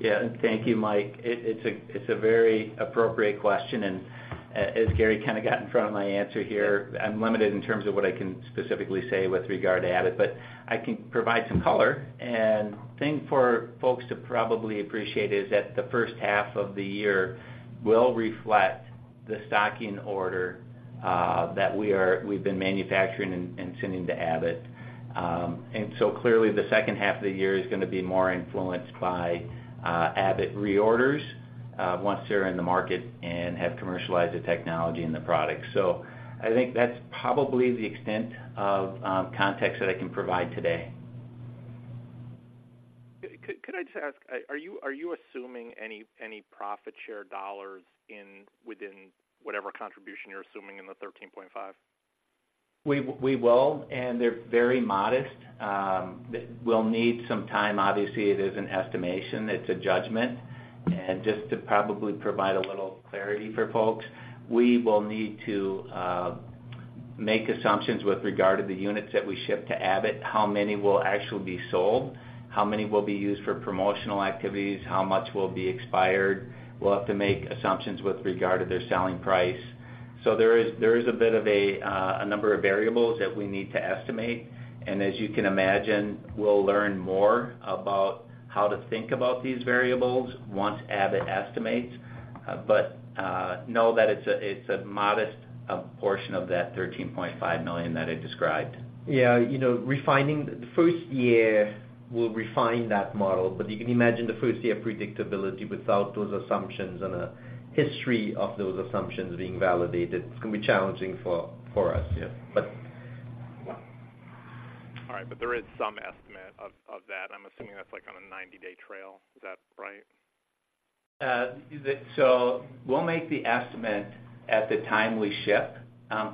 Yeah. Thank you, Mike. It's a very appropriate question, and as Gary kind of got in front of my answer here, I'm limited in terms of what I can specifically say with regard to Abbott, but I can provide some color. And the thing for folks to probably appreciate is that the first half of the year will reflect the stocking order that we've been manufacturing and sending to Abbott. And so clearly, the second half of the year is gonna be more influenced by Abbott reorders once they're in the market and have commercialized the technology and the product. So I think that's probably the extent of context that I can provide today. ... Could I just ask, are you assuming any profit share dollars in within whatever contribution you're assuming in the $13.5? We will, and they're very modest. We'll need some time. Obviously, it is an estimation, it's a judgment. And just to probably provide a little clarity for folks, we will need to make assumptions with regard to the units that we ship to Abbott, how many will actually be sold, how many will be used for promotional activities, how much will be expired. We'll have to make assumptions with regard to their selling price. So there is a bit of a number of variables that we need to estimate, and as you can imagine, we'll learn more about how to think about these variables once Abbott estimates. But know that it's a modest portion of that $13.5 million that I described. Yeah, you know, refining the first year, we'll refine that model, but you can imagine the first year predictability without those assumptions and a history of those assumptions being validated. It's gonna be challenging for us, yes, but- All right, but there is some estimate of, of that. I'm assuming that's like on a 90-day trial. Is that right? So we'll make the estimate at the time we ship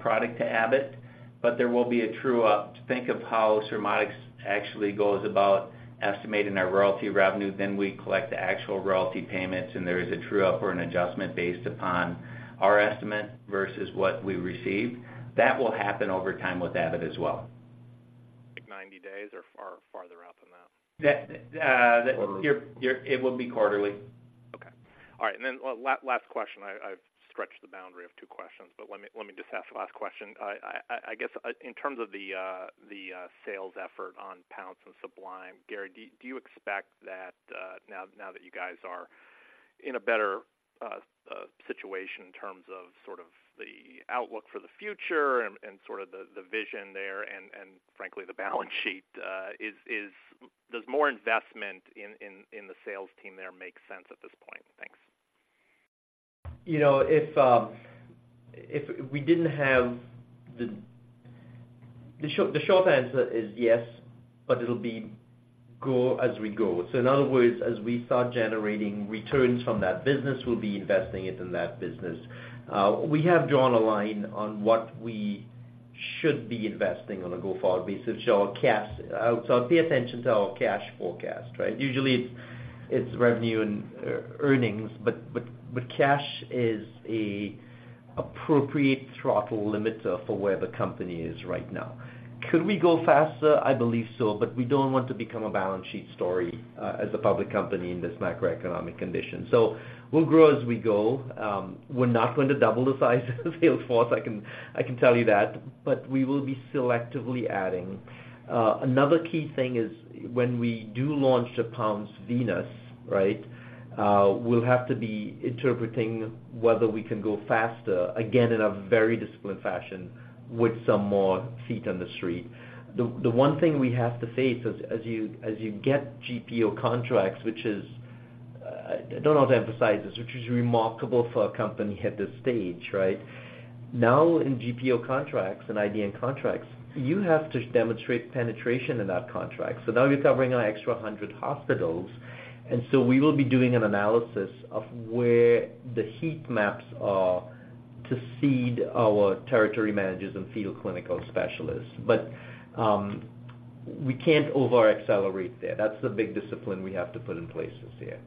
product to Abbott, but there will be a true up. Think of how Surmodics actually goes about estimating our royalty revenue, then we collect the actual royalty payments, and there is a true up or an adjustment based upon our estimate versus what we received. That will happen over time with Abbott as well. Like 90 days or far, farther out than that? That, uh- Quarterly. It will be quarterly. Okay. All right, and then last question. I've stretched the boundary of two questions, but let me just ask the last question. I guess, in terms of the sales effort on Pounce and Sublime, Gary, do you expect that now that you guys are in a better situation in terms of sort of the outlook for the future and sort of the vision there and frankly, the balance sheet, does more investment in the sales team there make sense at this point? Thanks. You know, if we didn't have the... The short answer is yes, but it'll be grow as we go. So in other words, as we start generating returns from that business, we'll be investing it in that business. We have drawn a line on what we should be investing on a go-forward basis, so our cash. So pay attention to our cash forecast, right? Usually, it's revenue and earnings, but cash is an appropriate throttle limit for where the company is right now. Could we go faster? I believe so, but we don't want to become a balance sheet story as a public company in this macroeconomic condition. So we'll grow as we go. We're not going to double the size of the sales force, I can tell you that, but we will be selectively adding. Another key thing is when we do launch the Pounce Venous, right, we'll have to be interpreting whether we can go faster, again, in a very disciplined fashion with some more feet on the street. The one thing we have to face as you get GPO contracts, which is, I don't know how to emphasize this, which is remarkable for a company at this stage, right? Now, in GPO contracts and IDN contracts, you have to demonstrate penetration in that contract. So now you're covering an extra 100 hospitals, and so we will be doing an analysis of where the heat maps are to seed our territory managers and field clinical specialists. But we can't over-accelerate there. That's the big discipline we have to put in place this year.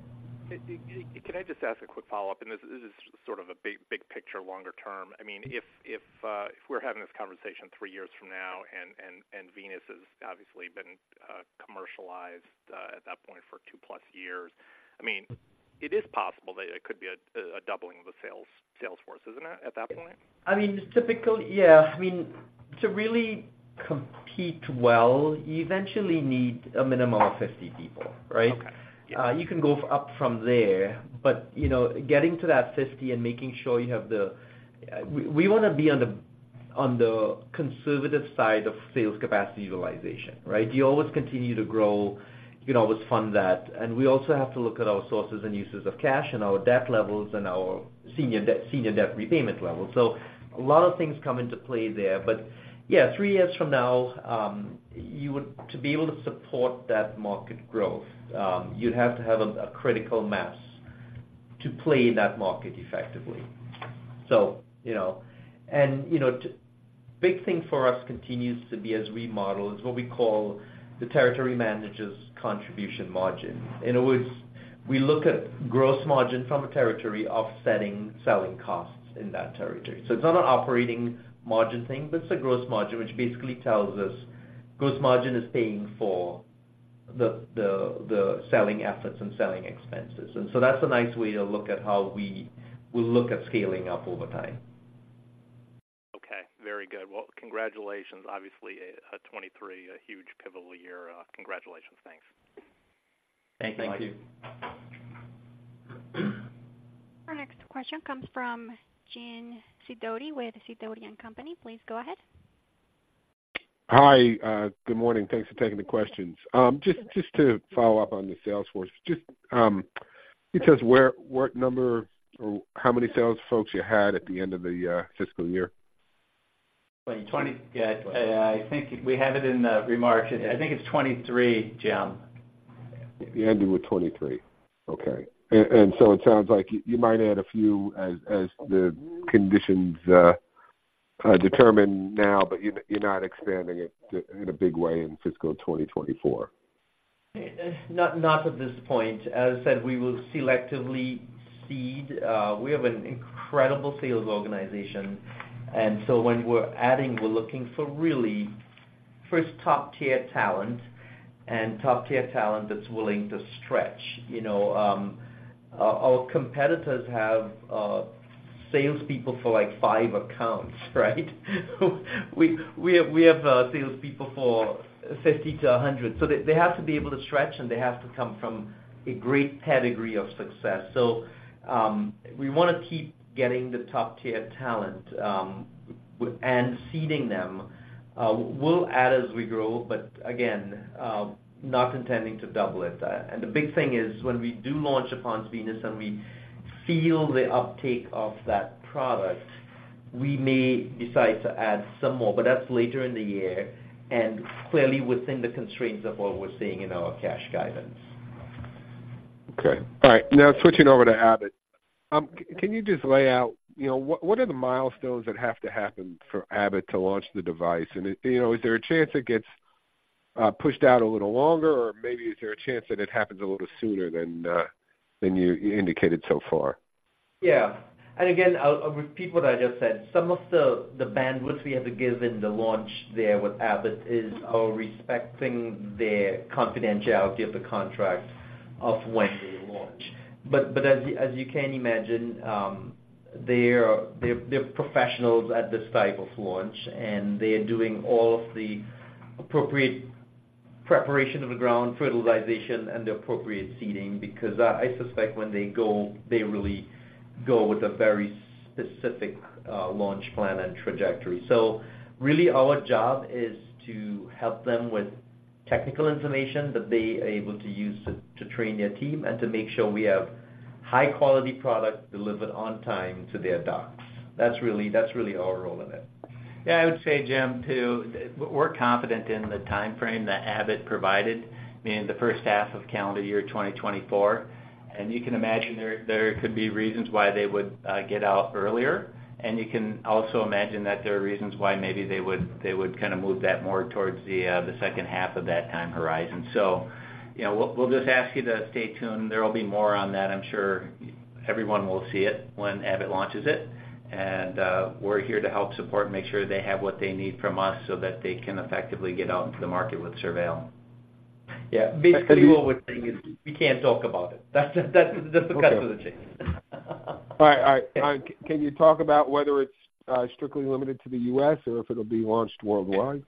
Can I just ask a quick follow-up? This is sort of a big, big picture, longer term. I mean, if we're having this conversation three years from now, and Venus has obviously been commercialized at that point for 2+ years, I mean, it is possible that it could be a doubling of the sales force, isn't it, at that point? I mean, typical, yeah. I mean, to really compete well, you eventually need a minimum of 50 people, right? Okay. You can go up from there, but, you know, getting to that 50 and making sure you have the... We wanna be on the conservative side of sales capacity utilization, right? You always continue to grow, you can always fund that. And we also have to look at our sources and uses of cash and our debt levels and our senior debt, senior debt repayment level. So a lot of things come into play there. But yeah, three years from now, you would to be able to support that market growth, you'd have to have a critical mass to play in that market effectively. So, you know, and, you know, big thing for us continues to be, as we model, is what we call the territory managers contribution margin. In other words, we look at gross margin from a territory offsetting selling costs in that territory. So it's not an operating margin thing, but it's a gross margin, which basically tells us gross margin is paying for the selling efforts and selling expenses. And so that's a nice way to look at how we will look at scaling up over time. Okay, very good. Well, congratulations. Obviously, 2023, a huge pivotal year. Congratulations. Thanks. Thank you. Thank you. Our next question comes from Jim Sidoti with Sidoti & Company. Please go ahead. Hi, good morning. Thanks for taking the questions. Just to follow up on the sales force, just, can you tell us what number or how many sales folks you had at the end of the fiscal year?... 2020. Yeah, I think we have it in the remarks. I think it's 2023, Jim. You ended with 23. Okay. And so it sounds like you might add a few as the conditions are determined now, but you're not expanding it in a big way in fiscal 2024. Not, not at this point. As I said, we will selectively seed. We have an incredible sales organization, and so when we're adding, we're looking for really first top-tier talent, and top-tier talent that's willing to stretch. You know, our competitors have salespeople for, like, 5 accounts, right? So we have salespeople for 50-100. So they have to be able to stretch, and they have to come from a great pedigree of success. So we wanna keep getting the top-tier talent, and seeding them. We'll add as we grow, but again, not intending to double it. The big thing is, when we do launch the Pounce, and we feel the uptake of that product, we may decide to add some more, but that's later in the year and clearly within the constraints of what we're seeing in our cash guidance. Okay. All right, now switching over to Abbott. Can you just lay out, you know, what, what are the milestones that have to happen for Abbott to launch the device? And, you know, is there a chance it gets pushed out a little longer, or maybe is there a chance that it happens a little sooner than you indicated so far? Yeah. And again, I'll repeat what I just said. Some of the bandwidth we have to give in the launch there with Abbott is respecting their confidentiality of the contract of when they launch. But as you can imagine, they're professionals at this type of launch, and they're doing all of the appropriate preparation of the ground, fertilization, and the appropriate seeding, because I suspect when they go, they really go with a very specific launch plan and trajectory. So really, our job is to help them with technical information that they are able to use to train their team and to make sure we have high-quality product delivered on time to their docs. That's really our role in it. Yeah, I would say, Jim, too, we're confident in the timeframe that Abbott provided, meaning the first half of calendar year 2024. And you can imagine there could be reasons why they would get out earlier, and you can also imagine that there are reasons why maybe they would kind of move that more towards the second half of that time horizon. So, you know, we'll just ask you to stay tuned. There will be more on that. I'm sure everyone will see it when Abbott launches it, and we're here to help support and make sure they have what they need from us so that they can effectively get out into the market with SurVeil. Yeah, basically, what we're saying is we can't talk about it. That's the cut to the chase. All right. All right. All right, can you talk about whether it's strictly limited to the U.S. or if it'll be launched worldwide?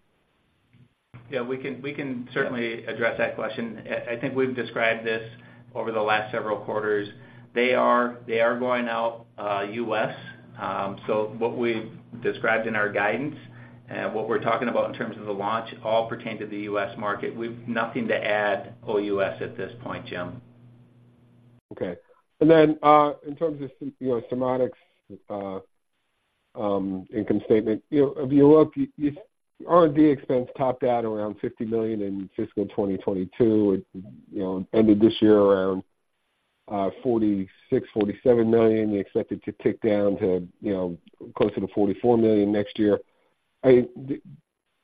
Yeah, we can, we can certainly address that question. I think we've described this over the last several quarters. They are, they are going out, U.S. So what we've described in our guidance and what we're talking about in terms of the launch all pertain to the U.S. market. We've nothing to add OUS at this point, Jim. Okay. In terms of, you know, Surmodics', income statement, you know, if you look, you R&D expense topped out around $50 million in fiscal 2022. It, you know, ended this year around, $46-$47 million. You expect it to tick down to, you know, closer to $44 million next year. Do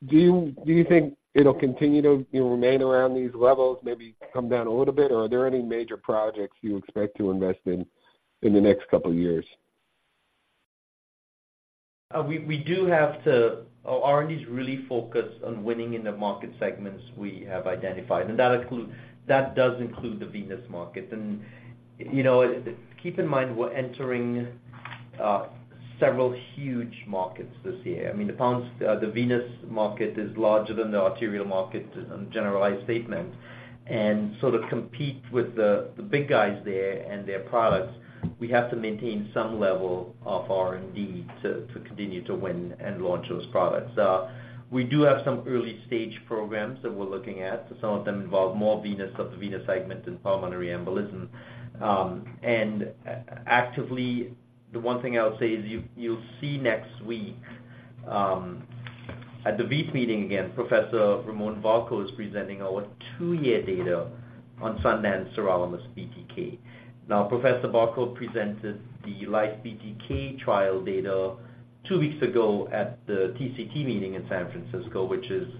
you, do you think it'll continue to, you know, remain around these levels, maybe come down a little bit, or are there any major projects you expect to invest in in the next couple of years? We do have to... Our R&D is really focused on winning in the market segments we have identified, and that does include the venous market. And, you know, keep in mind, we're entering several huge markets this year. I mean, the venous market is larger than the arterial market, generalized statement. And so to compete with the big guys there and their products, we have to maintain some level of R&D to continue to win and launch those products. We do have some early-stage programs that we're looking at. Some of them involve more venous, of the venous segment than pulmonary embolism. And actively, the one thing I would say is you'll see next week at the VEITH meeting, again, Professor Ramon Varcoe is presenting our two-year data on Sundance sirolimus BTK. Now, Professor Barco presented the Life BTK trial data two weeks ago at the TCT meeting in San Francisco, which is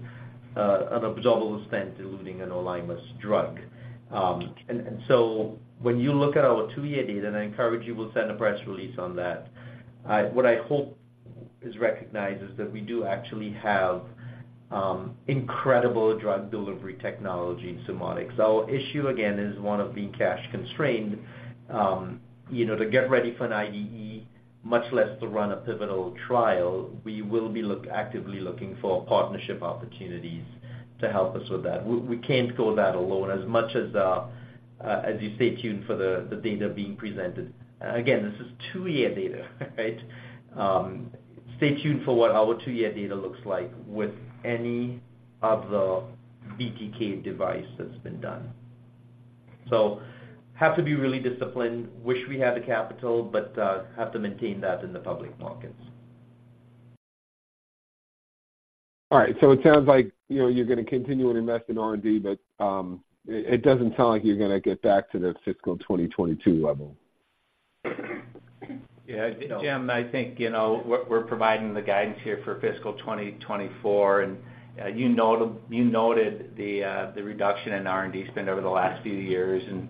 an absorbable stent eluting an olimus drug. And so when you look at our two-year data, and I encourage you, we'll send a press release on that. What I hope is recognized is that we do actually have incredible drug delivery technology in Surmodics. Our issue, again, is one of being cash-constrained. You know, to get ready for an IDE, much less to run a pivotal trial, we will be actively looking for partnership opportunities to help us with that. We can't go that alone as much as you stay tuned for the data being presented. Again, this is two-year data, right? Stay tuned for what our two-year data looks like with any of the BTK device that's been done. Have to be really disciplined, wish we had the capital, but have to maintain that in the public markets. All right, so it sounds like, you know, you're gonna continue to invest in R&D, but it doesn't sound like you're gonna get back to the fiscal 2022 level. Yeah, Jim, I think, you know, we're providing the guidance here for fiscal 2024, and you noted the reduction in R&D spend over the last few years. And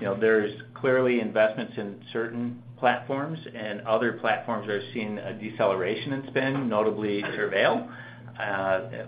you know, there's clearly investments in certain platforms, and other platforms are seeing a deceleration in spend, notably SurVeil,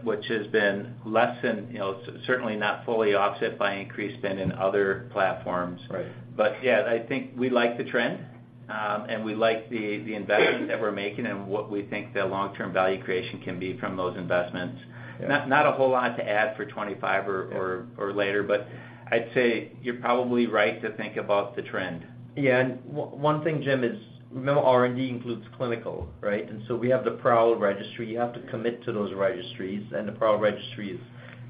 which has been less than, you know, certainly not fully offset by increased spend in other platforms. Right. But yeah, I think we like the trend, and we like the investment that we're making and what we think the long-term value creation can be from those investments. Yeah. Not a whole lot to add for 25 or later, but I'd say you're probably right to think about the trend. Yeah, and one thing, Jim, is, remember, R&D includes clinical, right? And so we have the PROWL Registry. You have to commit to those registries, and the PROWL Registry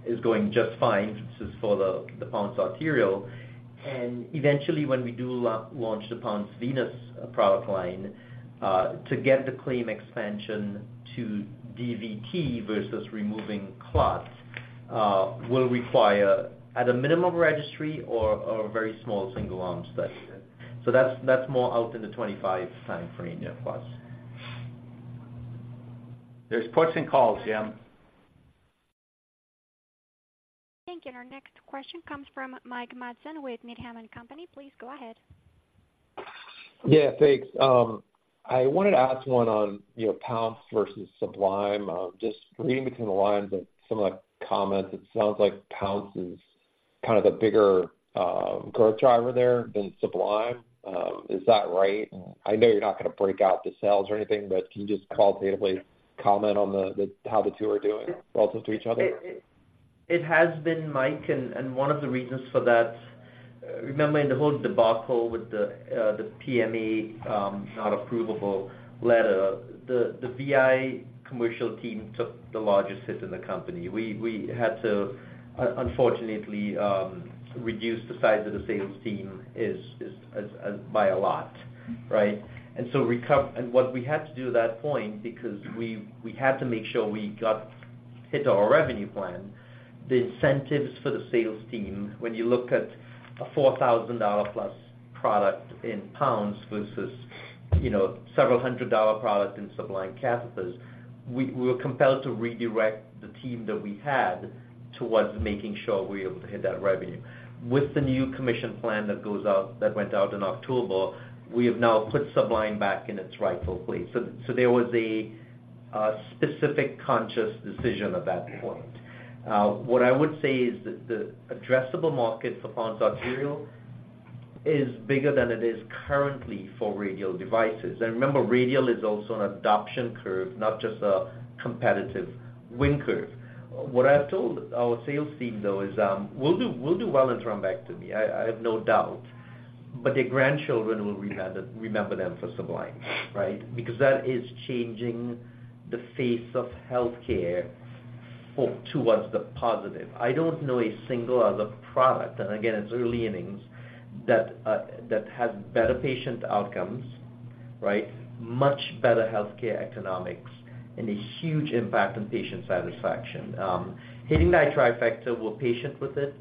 is going just fine. This is for the Pounce arterial. And eventually, when we do launch the Pounce venous product line, to get the claim expansion to DVT versus removing clots, will require, at a minimum, registry or a very small single-arm study. So that's more out in the 25 time frame plus. There's ports and calls, Jim. Thank you. And our next question comes from Mike Matson with Needham and Company. Please go ahead. Yeah, thanks. I wanted to ask one on, you know, Pounce versus Sublime. Just reading between the lines of some of the comments, it sounds like Pounce is kind of the bigger growth driver there than Sublime. Is that right? I know you're not gonna break out the sales or anything, but can you just qualitatively comment on the how the two are doing relative to each other? It has been, Mike, and one of the reasons for that, remembering the whole debacle with the PMA not approvable letter, the VI commercial team took the largest hit in the company. We had to unfortunately reduce the size of the sales team by a lot, right? And so what we had to do at that point, because we had to make sure we hit our revenue plan, the incentives for the sales team, when you look at a $4,000-plus product in Pounce versus, you know, several hundred-dollar product in Sublime catheters, we were compelled to redirect the team that we had towards making sure we were able to hit that revenue. With the new commission plan that goes out, that went out in October, we have now put Sublime back in its rightful place. So there was a specific conscious decision at that point. What I would say is the addressable market for Pounce arterial is bigger than it is currently for radial devices. And remember, radial is also an adoption curve, not just a competitive win curve. What I've told our sales team, though, is we'll do well in thrombectomy, I have no doubt, but their grandchildren will remember them for Sublime, right? Because that is changing the face of healthcare towards the positive. I don't know a single other product, and again, it's early innings, that has better patient outcomes, right? Much better healthcare economics and a huge impact on patient satisfaction. Hitting that trifecta, we're patient with it,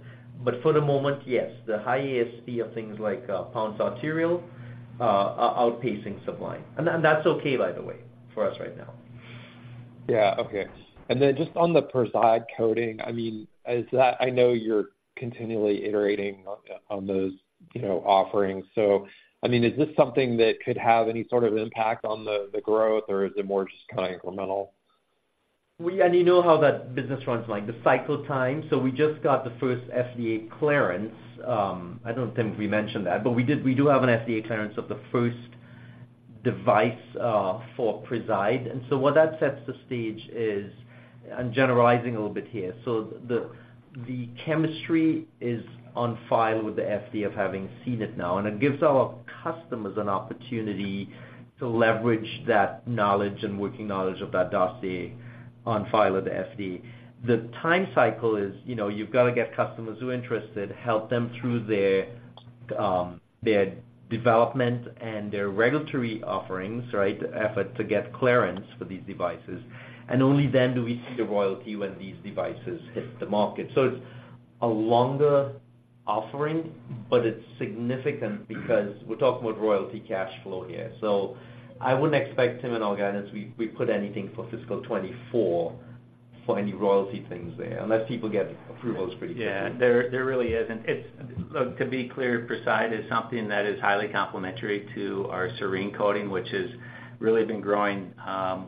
but for the moment, yes, the high ESP of things like Pounce arterial are outpacing Sublime. And that's okay, by the way, for us right now. Yeah, okay. And then just on the Preside coating, I mean, is that—I know you're continually iterating on, on those, you know, offerings. So, I mean, is this something that could have any sort of impact on the, the growth, or is it more just kind of incremental? And you know how that business runs, like the cycle time. So we just got the first FDA clearance. I don't think we mentioned that, but we do have an FDA clearance of the first device for Preside. And so what that sets the stage is, I'm generalizing a little bit here, so the chemistry is on file with the FDA of having seen it now, and it gives our customers an opportunity to leverage that knowledge and working knowledge of that dossier on file with the FDA. The time cycle is, you know, you've got to get customers who are interested, help them through their their development and their regulatory offerings, right? Effort to get clearance for these devices. And only then do we see the royalty when these devices hit the market. So it's a longer offering, but it's significant because we're talking about royalty cash flow here. So I wouldn't expect him in our guidance, we, we put anything for fiscal 2024 for any royalty things there, unless people get approvals pretty quickly. Yeah, there really isn't. It's. Look, to be clear, Preside is something that is highly complementary to our Serene coating, which has really been growing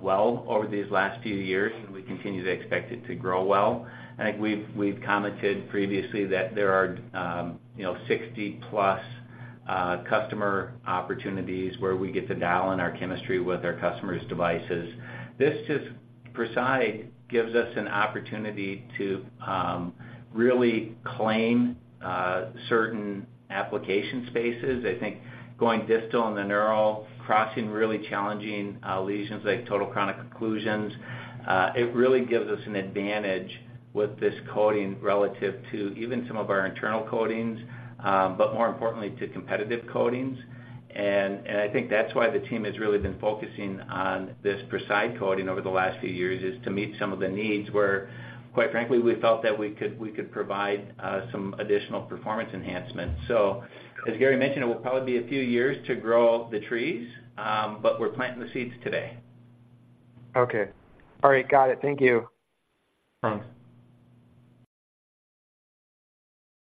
well over these last few years, and we continue to expect it to grow well. I think we've commented previously that there are, you know, 60-plus customer opportunities where we get to dial in our chemistry with our customers' devices. This just, Preside gives us an opportunity to really claim certain application spaces. I think going distal in the neuro, crossing really challenging lesions like chronic total occlusions, it really gives us an advantage with this coating relative to even some of our internal coatings, but more importantly, to competitive coatings. I think that's why the team has really been focusing on this Preside coating over the last few years, is to meet some of the needs where, quite frankly, we felt that we could provide some additional performance enhancements. So as Gary mentioned, it will probably be a few years to grow the trees, but we're planting the seeds today. Okay. All right, got it. Thank you.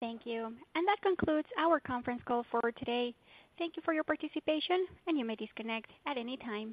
Thanks. Thank you. That concludes our conference call for today. Thank you for your participation, and you may disconnect at any time.